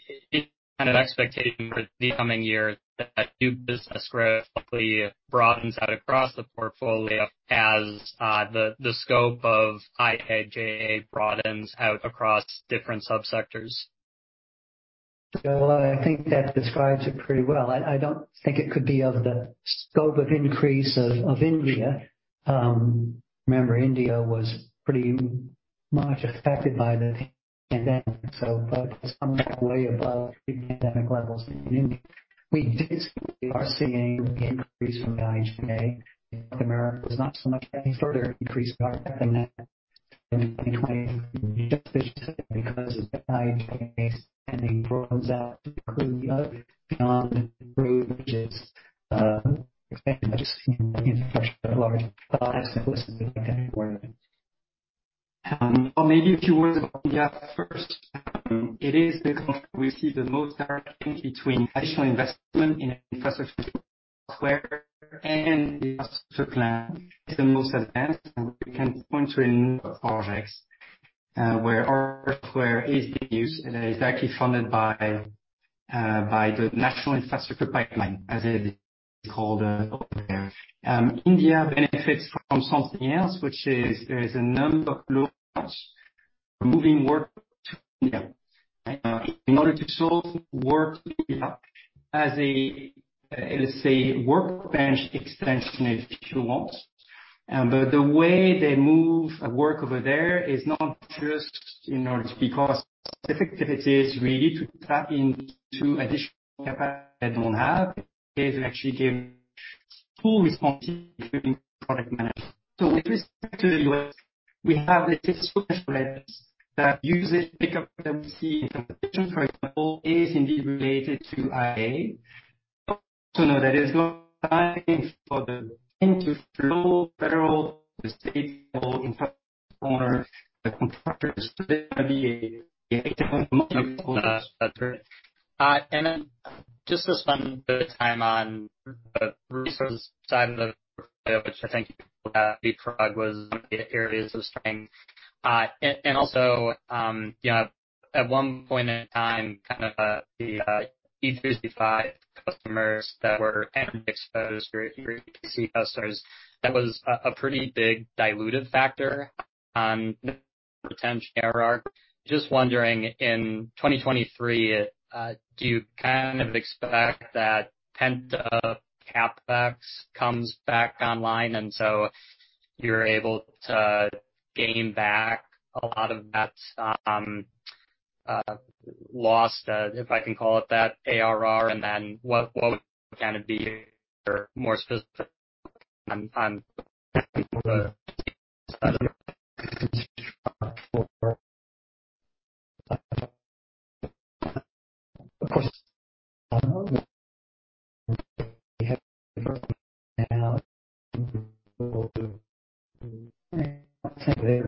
is it an expectation for the coming year that new business growth hopefully broadens out across the portfolio as the scope of IIJA broadens out across different subsectors? Well, I think that describes it pretty well. I don't think it could be of the scope of increase of India. Remember India was pretty much affected by the pandemic, so but it's come back way above pre-pandemic levels in India. We basically are seeing increase from the IIJA. North America is not so much any further increase than that in 2023 because of the IIJA spending rolls out pretty beyond road, which is expected by just infrastructure at large. I'll ask Nicholas if he can add more. Maybe if you were to go first. It is the country we see the most direct link between additional investment in infrastructure software and the infrastructure plan. It's the most advanced, we can point to a number of projects where our software is being used, and it is actually funded by the National Infrastructure Pipeline, as it is called. India benefits from something else, which is there is a number of loads moving work to India. In order to solve work as a, let's say, workbench extension, if you want. The way they move work over there is not just in order to tap into additional capacity they don't have. It actually gave full responsibility for product management. With respect to the U.S., we have a test bench labs that use it. Pickup that we see in transportation, for example, is indeed related to IIA. To know that it's not time for the money to flow federal to state or infrastructure owner, the contractors. There's gonna be a different money flow. Then just to spend a bit of time on the resources side of the portfolio, which I think you brought was the areas of strength. Also, you know, at one point in time, kind of, the E365 customers that were end exposed for EPC customers. That was a pretty big dilutive factor on potential ARR. Just wondering, in 2023, do you kind of expect that pent up CapEx comes back online, so you're able to gain back a lot of that loss, if I can call it that ARR? What would kind of be more specific on the Of course. We have now because they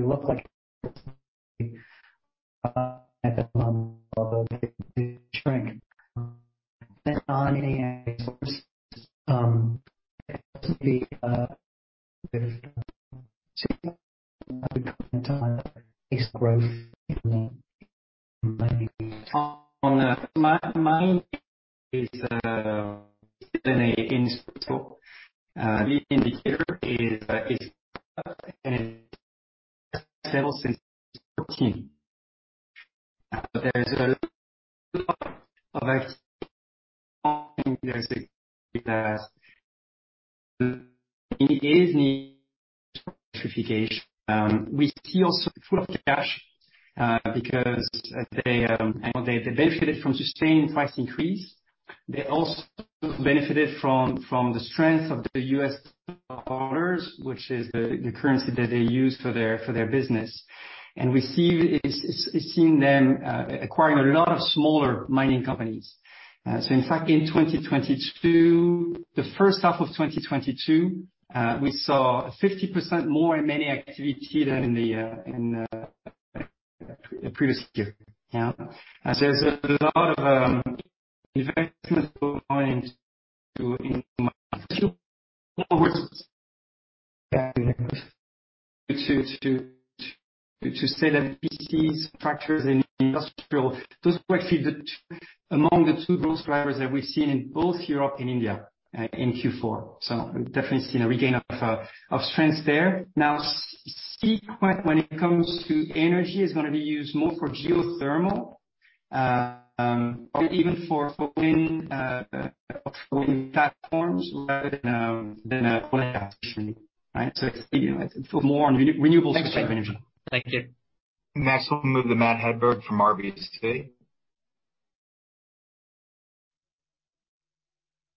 look like at the moment, although they do shrink. On resources, entire base growth. On the mining is, the indicator is up and stable since 14. There's a lot of activity. It is an electrification. We see also full of cash because they benefited from sustained price increase. They also benefited from the strength of the US dollars, which is the currency that they use for their business. We see is seeing them acquiring a lot of smaller mining companies. In fact, in 2022, the first half of 2022, we saw 50% more in many activity than in the previous year. Yeah. There's a lot of investment going into To say that PCs, tractors and industrial, those quite a few that among the two growth drivers that we've seen in both Europe and India, in Q4. We've definitely seen a regain of strength there. Now Seequent when it comes to energy is gonna be used more for geothermal, or even for wind platforms, rather than oil and gas traditionally. It's more on renewable source of energy. Thank you. Next, we'll move to Matt Hedberg from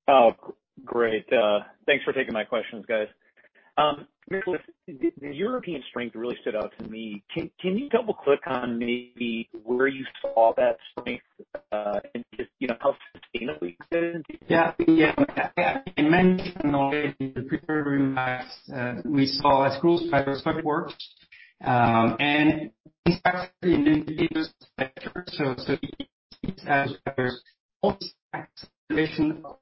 RBC. Great. Thanks for taking my questions, guys. The European strength really stood out to me. Can you double click on maybe where you saw that strength, and just, you know, how sustainable you consider it to be? Yeah. Yeah. In many already prepared remarks, we saw as growth drivers networks, in fact Europe, which is a very large spring. The first one is really in the NextGenerationEU events are reactive plan. That's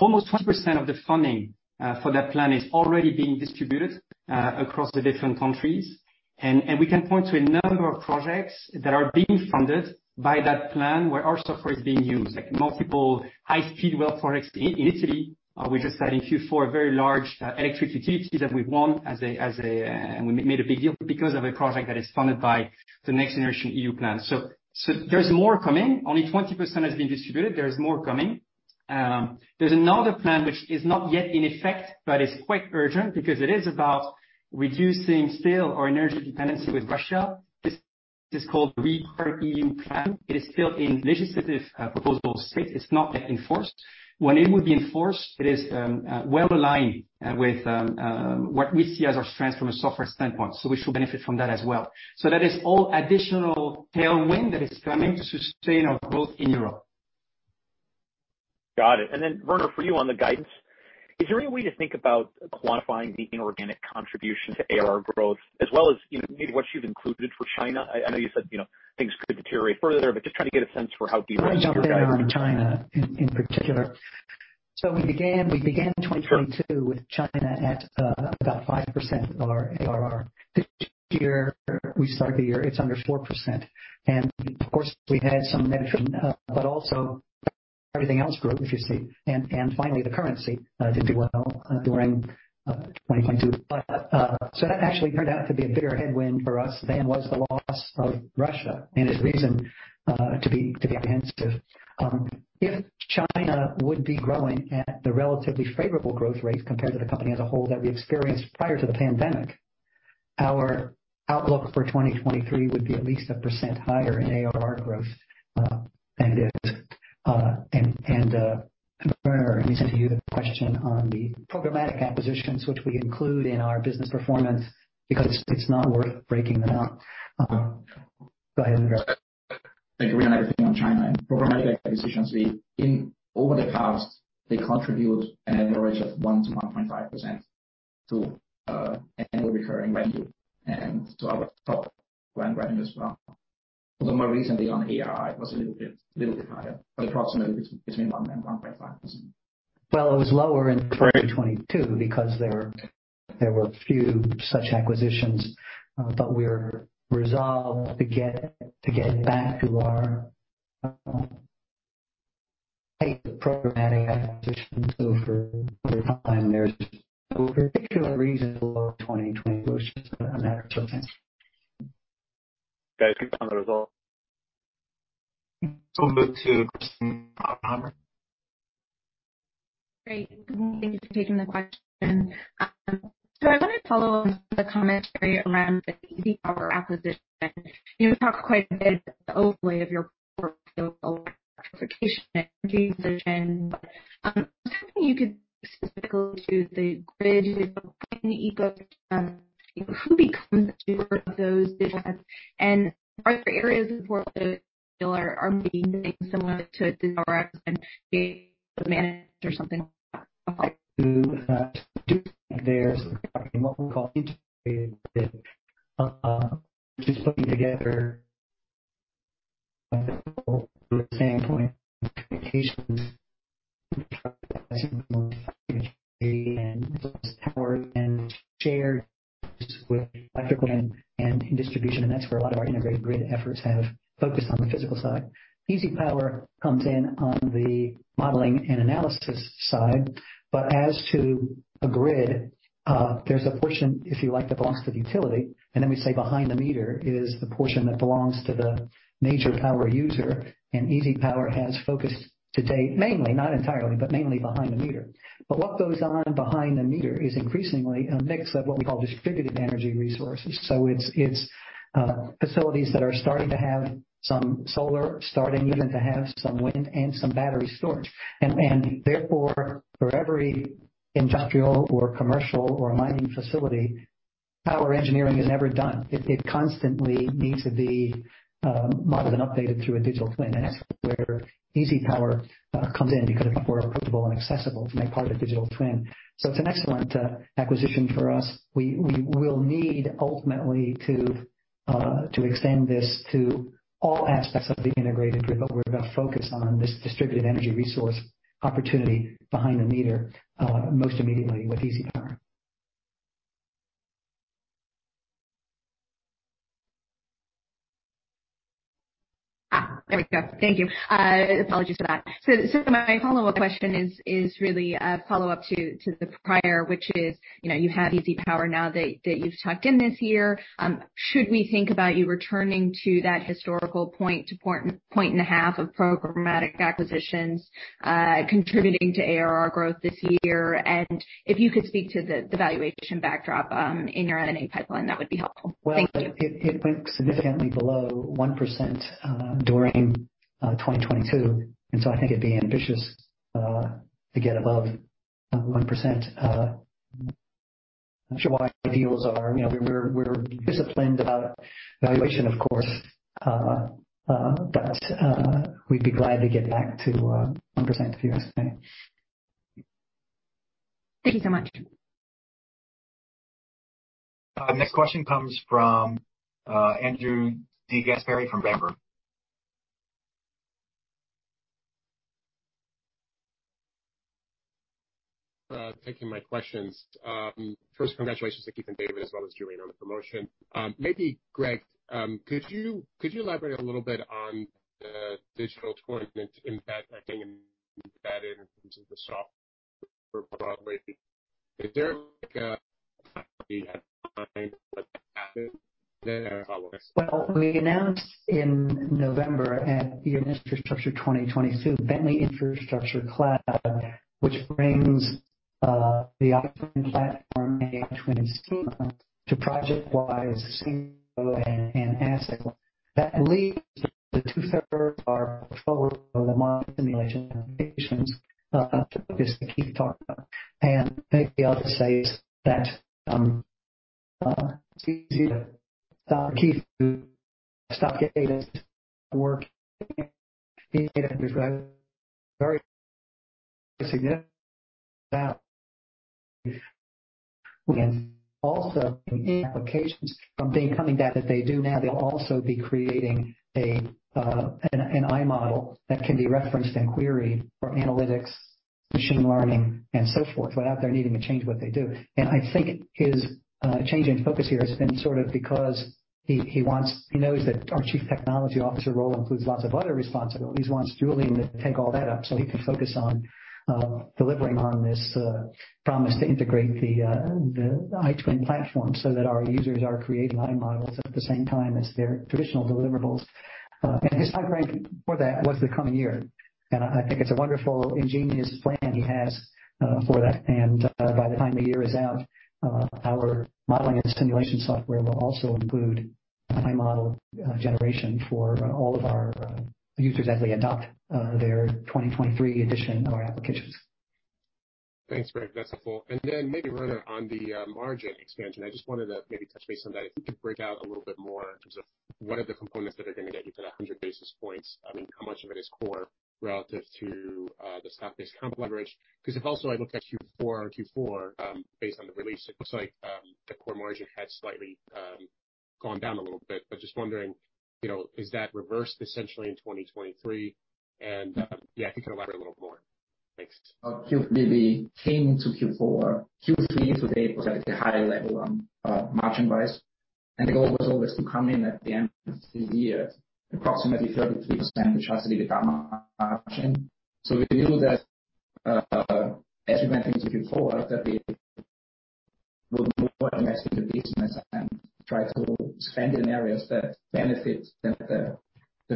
almost 20% of the funding for that plan is already being distributed across the different countries. We can point to a number of projects that are being funded by that plan where our software is being used, like multiple high-speed well products in Italy. We just had in Q4 a very large electric utility that we won, and we made a big deal because of a project that is funded by the NextGenerationEU plan. There's more coming. Only 20% has been distributed. There is more coming. There's another plan which is not yet in effect, but is quite urgent because it is about reducing still our energy dependency with Russia. This is called REPowerEU plan. It is still in legislative proposal state. It's not yet enforced. When it will be enforced, it is well aligned with what we see as our strength from a software standpoint, so we should benefit from that as well. That is all additional tailwind that is coming to sustain our growth in Europe. Got it. Werner, for you on the guidance, is there any way to think about quantifying the inorganic contribution to ARR growth as well as even maybe what you've included for China? I know you said, you know, things could deteriorate further, just trying to get a sense for how deep is your guidance. I jumped in on China in particular. We began 2022 with China at about 5% of our ARR. This year we start the year it's under 4%. Finally, the currency didn't do well during 2022. So that actually turned out to be a bigger headwind for us than was the loss of Russia and his reason to be apprehensive. If China would be growing at the relatively favorable growth rates compared to the company as a whole that we experienced prior to the pandemic, our outlook for 2023 would be at least 1% higher in ARR growth than it is. Werner, listen to you the question on the programmatic acquisitions which we include in our business performance because it's not worth breaking them out. Go ahead, Werner. I agree on everything on China and programmatic acquisitions. Over the past, they contribute an average of 1%-1.5% to annual recurring revenue and to our top line revenue as well. Although more recently on ARR, it was a little bit higher, but approximately between 1% and 1.5%. Well, it was lower in 2022 because there were few such acquisitions. We're resolved to get back to our type of programmatic acquisitions over time. There's no particular reason for 2020 was just a matter of timing. Guys, great on the results. We'll move to Kristen Owen. Great. Thanks for taking the question. I wanna follow the commentary around the EasyPower acquisition. You talked quite a bit the overlay of your portfolio electrification decision. I was hoping you could specifically to the grid in the ecosystem, who becomes the steward of those data? Are there areas of the world that still are maintaining similar to DSRX and being managed or something like that? To do their what we call integrated, just putting together from the same point of communications and shared with electrical and distribution, and that's where a lot of our integrated grid efforts have focused on the physical side. EasyPower comes in on the modeling and analysis side. As to a grid, there's a portion, if you like, that belongs to the utility, and then we say behind the meter is the portion that belongs to the major power user. EasyPower has focused to date, mainly, not entirely, but mainly behind the meter. What goes on behind the meter is increasingly a mix of what we call distributed energy resources. It's facilities that are starting to have some solar, starting even to have some wind and some battery storage. Therefore, for every industrial or commercial or mining facility. Power engineering is never done. It constantly needs to be modeled and updated through a digital twin. That's where EasyPower comes in because it's more approachable and accessible to make part of the digital twin. It's an excellent acquisition for us. We will need ultimately to extend this to all aspects of the integrated grid, but we're gonna focus on this distributed energy resource opportunity behind the meter most immediately with EasyPower. There we go. Thank you. Apologies for that. My follow-up question is really a follow-up to the prior, which is, you know, you have EasyPower now that you've tucked in this year. Should we think about you returning to that historical point to point, 1.5 of programmatic acquisitions, contributing to ARR growth this year? If you could speak to the valuation backdrop in your M&A pipeline, that would be helpful. Thank you. It went significantly below 1% during 2022. I think it'd be ambitious to get above 1%. Not sure what our deals are. You know, we're disciplined about valuation, of course. We'd be glad to get back to 1% if you ask me. Thank you so much. Next question comes from Andrew DeGasperi from Berenberg. Taking my questions. First congratulations to Keith and David, as well as Julien on the promotion. Maybe, Greg, could you elaborate a little bit on the digital twin impact, I think you added in terms of the software broadly? Is there like a. Well, we announced in November at the Infrastructure 2022 Bentley Infrastructure Cloud, which brings the operating platform iTwin's schema to ProjectWise and AssetWise. That leaves the two-thirds of our portfolio, the model simulation applications, focus that Keith talked about. Maybe I'll just say is that it's easy to Keith to stop getting this work. Very significant. We can also implications from the incoming data that they do now. They'll also be creating an iModel that can be referenced and queried for analytics, machine learning and so forth, without their needing to change what they do. I think his change in focus here has been sort of because he knows that our chief technology officer role includes lots of other responsibilities. He wants Julien to take all that up so he can focus on delivering on this promise to integrate the iTwin platform so that our users are creating iModels at the same time as their traditional deliverables. His time frame for that was the coming year. I think it's a wonderful, ingenious plan he has for that. By the time the year is out, our modeling and simulation software will also include iModel generation for all of our users as they adopt their 2023 edition of our applications. Thanks, Greg. That's helpful. Maybe, Werner, on the margin expansion, I just wanted to maybe touch base on that. If you could break out a little bit more in terms of what are the components that are gonna get you to that 100 basis points? I mean, how much of it is core relative to the stock-based comp leverage? If also I looked at Q4, based on the release, it looks like the core margin had slightly gone down a little bit. Just wondering, you know, is that reversed essentially in 2023? Yeah, if you can elaborate a little more. Thanks. We came into Q4. Q3 today was at the high level on margin wise, and the goal was always to come in at the end of the year approximately 33% adjusted EBITDA margin. We knew that as we went into Q4, that we would invest in the business and try to spend in areas that benefit the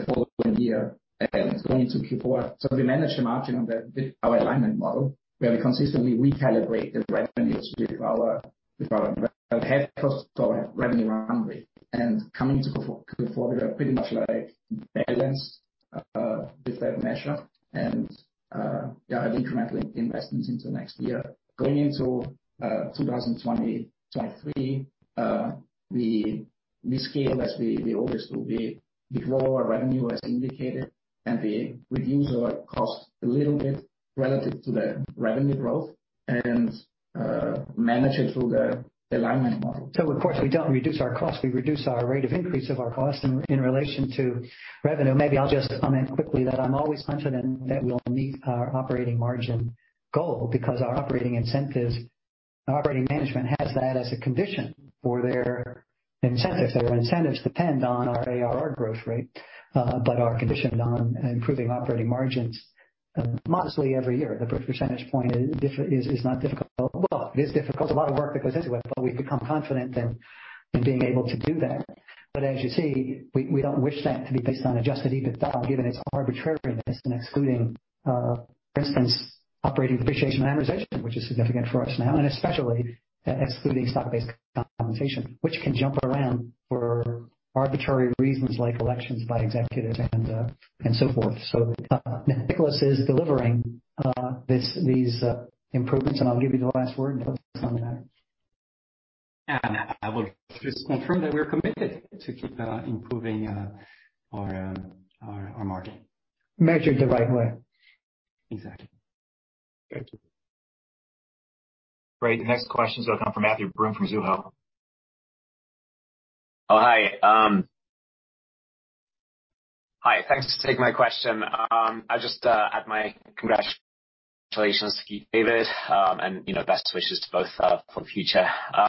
following year and going into Q4. We managed the margin with our alignment model, where we consistently recalibrate the revenues with our head cost or revenue run rate. Coming to Q4, we are pretty much like balanced with that measure. Yeah, have incremental investments into next year. Going into 2023, we scale as we always do. We grow our revenue as indicated and we reduce our cost a little bit relative to the revenue growth and manage it through the alignment model. Of course, we don't reduce our cost. We reduce our rate of increase of our cost in relation to revenue. Maybe I'll just comment quickly that I'm always confident that we'll meet our operating margin goal because our operating management has that as a condition for their incentives. Their incentives depend on our ARR growth rate, but are conditioned on improving operating margins modestly every year. The percentage point is not difficult. Well, it is difficult. It's a lot of work that goes into it, but we've become confident in being able to do that. As you see, we don't wish that to be based on adjusted EBITDA, given its arbitrariness in excluding, for instance, operating depreciation and amortization, which is significant for us now, and especially excluding stock-based compensation, which can jump around for arbitrary reasons like elections by executives and so forth. Nicholas is delivering these improvements, and I'll give you the last word, Nicholas, on that. I will just confirm that we're committed to keep improving our margin. Measured the right way. Exactly. Thank you. Great. Next question comes from Matthew Broome from Mizuho. Hi. Hi. Thanks for taking my question. I just add my congratulations, David, and, you know, best wishes to both for the future. I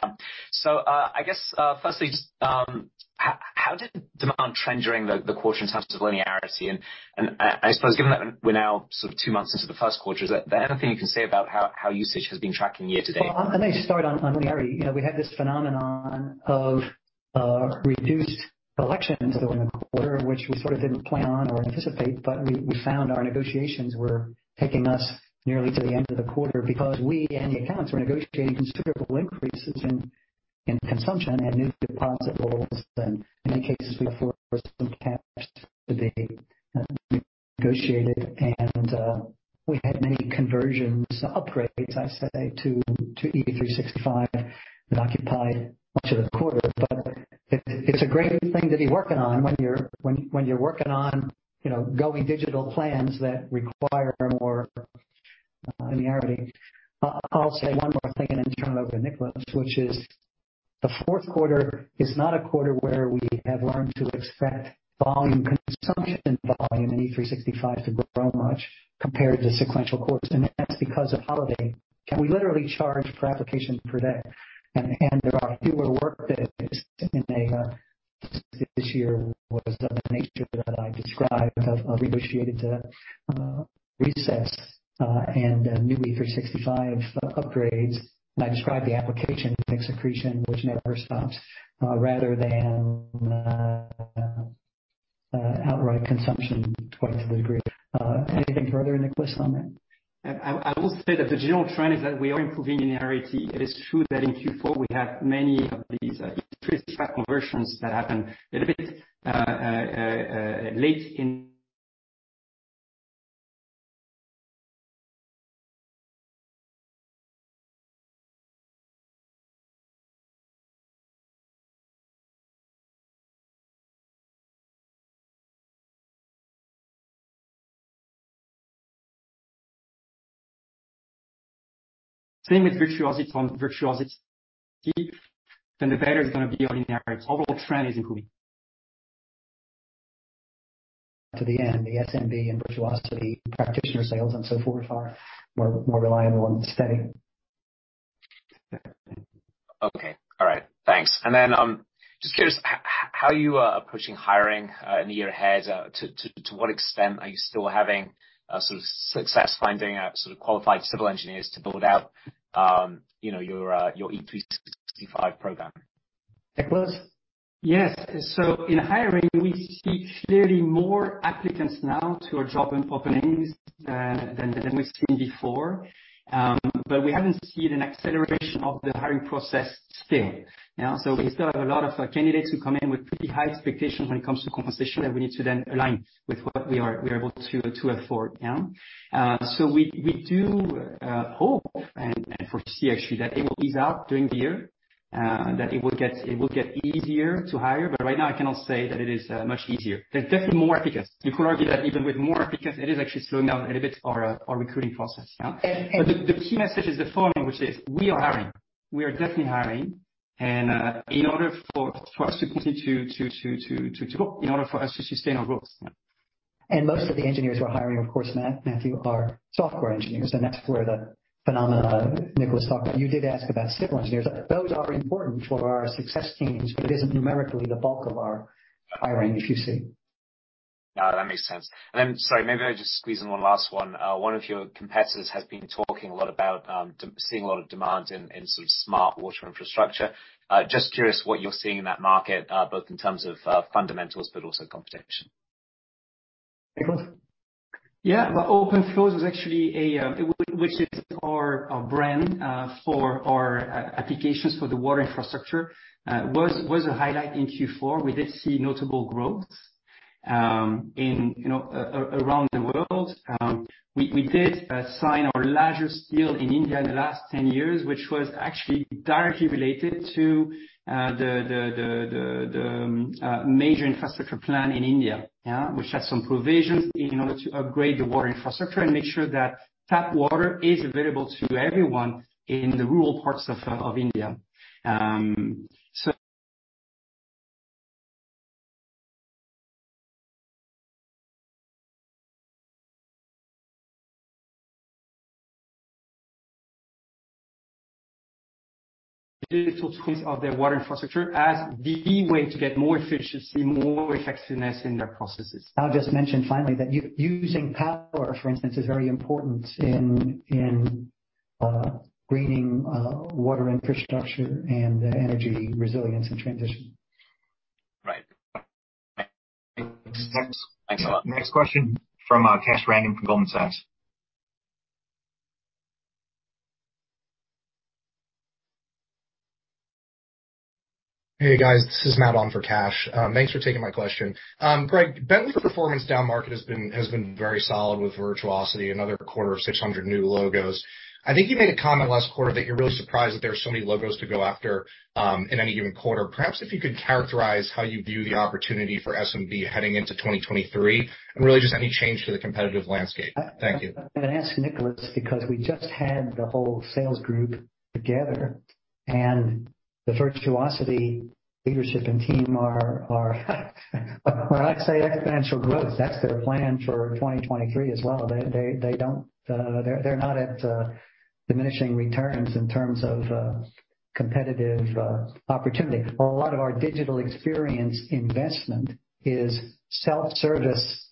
guess firstly just how did demand trend during the quarter in terms of linearity? I suppose given that we're now sort of two months into the first quarter, is there anything you can say about how usage has been tracking year-to-date? I'm gonna start on linearity. You know, we had this phenomenon of reduced collections during the quarter, which we sort of didn't plan on or anticipate. We found our negotiations were taking us nearly to the end of the quarter because we and the accounts were negotiating considerable increases in consumption and new deposit rolls. In many cases we forced some cash to be negotiated. We had many conversions, upgrades, I'd say, to E365 that occupied much of the quarter. It's a great thing to be working on when you're working on, you know, going digital plans that require more linearity. I'll say one more thing and then turn it over to Nicholas, which is the fourth quarter is not a quarter where we have learned to expect volume, consumption volume in E365 to grow much compared to sequential quarters. That's because of holiday. We literally charge for applications per day. There are fewer work days in a, this year was of the nature that I described of renegotiated recess and new E365 upgrades. I described the application mix secretion, which never stops, rather than outright consumption to quite the degree. Anything further, Nicholas, on that? I will say that the general trend is that we are improving linearity. It is true that in Q4 we have many of these E365 conversions that happen a little bit late in. Same with Virtuosity, then the beta is gonna be on linearity. Overall trend is improving. To the end, the SMB and Virtuosity practitioner sales and so forth are more reliable and steady. Okay. All right. Thanks. Just curious how you approaching hiring in the year ahead. To what extent are you still having sort of success finding out sort of qualified civil engineers to build out, you know, your E365 program? Nicolas? Yes. In hiring, we see clearly more applicants now to our job openings, than we've seen before. We haven't seen an acceleration of the hiring process still. Yeah. We still have a lot of candidates who come in with pretty high expectations when it comes to compensation, and we need to then align with what we are able to afford. Yeah. We do hope and foresee actually that it will ease out during the year. That it will get easier to hire. Right now I cannot say that it is much easier. There's definitely more applicants. You could argue that even with more applicants, it is actually slowing down a little bit our recruiting process. Yeah. The key message is the following, which is we are hiring. We are definitely hiring. In order for us to continue to grow, in order for us to sustain our growth. Yeah. Most of the engineers we're hiring, of course, Matthew, are software engineers, and that's where the phenomena Nicholas talked about. You did ask about civil engineers. Those are important for our success teams, but it isn't numerically the bulk of our hiring, if you see. No, that makes sense. Sorry, maybe I'll just squeeze in one last one. One of your competitors has been talking a lot about seeing a lot of demand in sort of smart water infrastructure. Just curious what you're seeing in that market, both in terms of fundamentals but also competition. Nicolas. OpenFlows is actually, which is our brand for our applications for the water infrastructure, was a highlight in Q4. We did see notable growth, you know, around the world. We did sign our largest deal in India in the last 10 years, which was actually directly related to the major infrastructure plan in India. Which has some provisions in order to upgrade the water infrastructure and make sure that tap water is available to everyone in the rural parts of India. Digital twins of their water infrastructure as the way to get more efficiency, more effectiveness in their processes. I'll just mention finally that using power, for instance, is very important in greening water infrastructure and energy resilience and transition. Right. Makes sense. Thanks a lot. Next question from Kash Rangan from Goldman Sachs. Hey guys, this is Matt on for Kash. Thanks for taking my question. Greg, Bentley performance downmarket has been very solid with Virtuosity, another quarter of 600 new logos. I think you made a comment last quarter that you're really surprised that there are so many logos to go after in any given quarter. Perhaps if you could characterize how you view the opportunity for SMB heading into 2023, and really just any change to the competitive landscape? Thank you. I'm gonna ask Nicholas, because we just had the whole sales group together, and the Virtuosity leadership and team are when I say exponential growth, that's their plan for 2023 as well. They're not at diminishing returns in terms of competitive opportunity. A lot of our digital experience investment is self-service,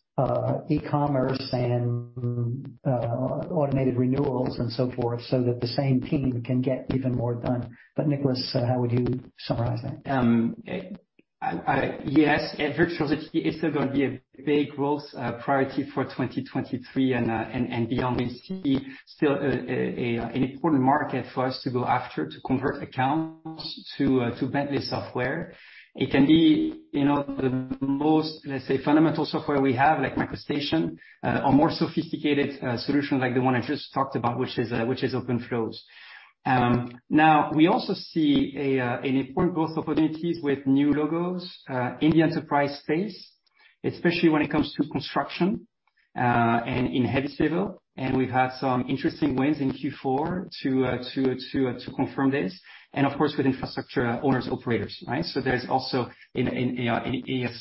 e-commerce and automated renewals and so forth, so that the same team can get even more done. Nicholas, how would you summarize that? Yes, at Virtuosity, it's still gonna be a big growth priority for 2023 and beyond. We see still an important market for us to go after to convert accounts to Bentley software. It can be, you know, the most, let's say, fundamental software we have, like MicroStation, or more sophisticated solution like the one I just talked about, which is OpenFlows. We also see an important growth opportunities with new logos in the enterprise space, especially when it comes to construction and in heavy civil. We've had some interesting wins in Q4 to confirm this. Of course, with infrastructure owners, operators, right? There's also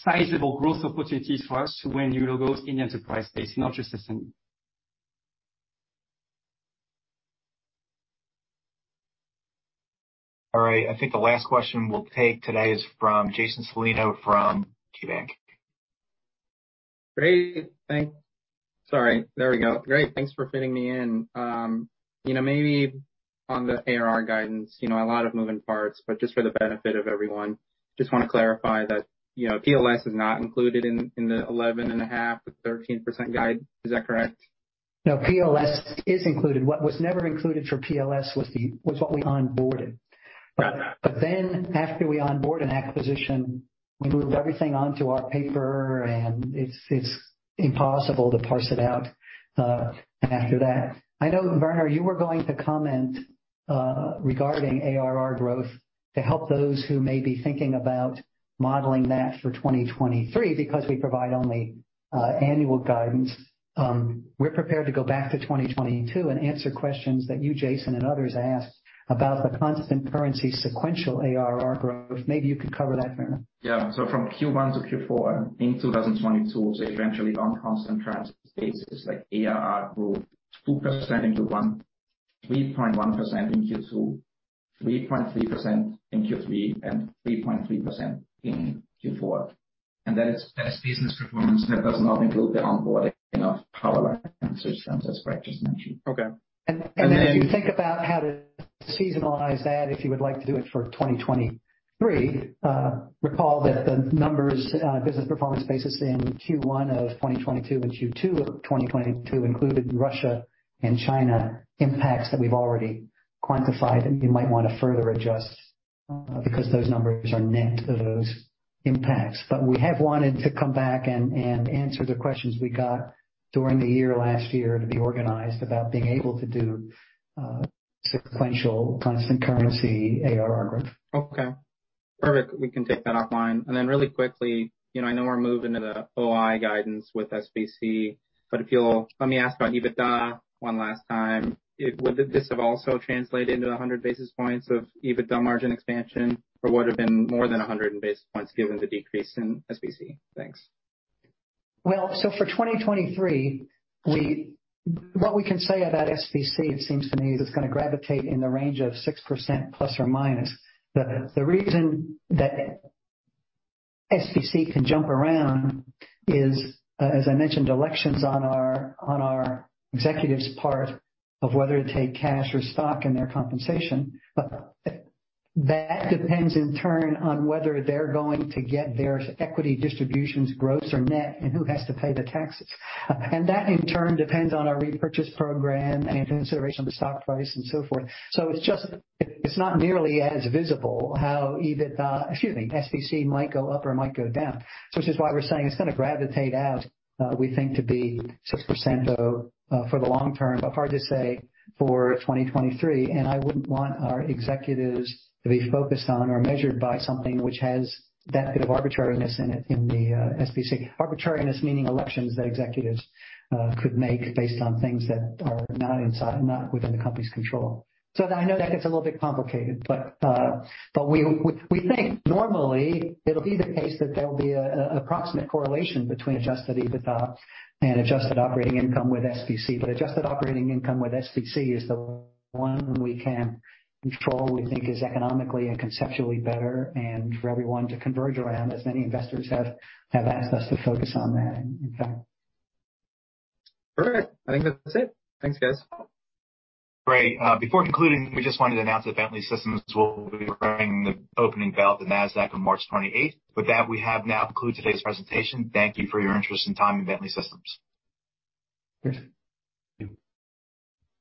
sizable growth opportunities for us to win new logos in the enterprise space, not just in SMB. All right. I think the last question we'll take today is from Jason Celino from KeyBanc. Great. Sorry. There we go. Great, thanks for fitting me in. you know, maybe on the ARR guidance, you know, a lot of moving parts, but just for the benefit of everyone, just wanna clarify that, you know, PLS is not included in the 11.5%-13% guide. Is that correct? No, PLS is included. What was never included for PLS was what we onboarded. After we onboard an acquisition, we move everything onto our paper, and it's impossible to parse it out after that. I know, Werner Andre, you were going to comment regarding ARR growth to help those who may be thinking about modeling that for 2023 because we provide only annual guidance. We're prepared to go back to 2022 and answer questions that you, Jason Celino, and others asked about the constant currency sequential ARR growth. Maybe you could cover that, Werner. Yeah. From Q1 to Q4 in 2022, so eventually on constant currency basis, like ARR grew 2% into one, 3.1% in Q2, 3.3% in Q3, and 3.3% in Q4. That is best business performance. That does not include the onboarding of Power Line Systems, as Greg just mentioned. Okay. If you think about how to seasonalize that, if you would like to do it for 2023, recall that the numbers, business performance basis in Q1 of 2022 and Q2 of 2022 included Russia and China impacts that we've already quantified, and you might wanna further adjust, because those numbers are net of those impacts. We have wanted to come back and answer the questions we got during the year last year to be organized about being able to do, sequential constant currency ARR growth. Okay. Perfect. We can take that offline. Really quickly, you know, I know we're moving to the OI guidance with SBC, but if you'll let me ask about EBITDA one last time. Would this have also translated into 100 basis points of EBITDA margin expansion or would have been more than 100 basis points given the decrease in SBC? Thanks. For 2023, what we can say about SBC, it seems to me it's going to gravitate in the range of 6%±. The reason that SBC can jump around is, as I mentioned, elections on our executives part of whether to take cash or stock in their compensation. That depends in turn on whether they're going to get their equity distributions gross or net and who has to pay the taxes. That in turn depends on our repurchase program and consideration of the stock price and so forth. It's just, it's not nearly as visible how EBITDA, excuse me, SBC might go up or might go down. This is why we're saying it's going to gravitate out, we think to be 6% for the long term, but hard to say for 2023. I wouldn't want our executives to be focused on or measured by something which has that bit of arbitrariness in it, in the SBC. Arbitrariness meaning elections that executives could make based on things that are not inside, not within the company's control. I know that gets a little bit complicated, but we think normally it'll be the case that there'll be a approximate correlation between adjusted EBITDA and adjusted operating income with SBC. Adjusted operating income with SBC is the one we can control, we think is economically and conceptually better and for everyone to converge around, as many investors have asked us to focus on that, in fact. All right. I think that's it. Thanks, guys. Great. Before concluding, we just wanted to announce that Bentley Systems will be ringing the opening bell at the Nasdaq on March 28th. We have now concluded today's presentation. Thank you for your interest and time in Bentley Systems. Thank you.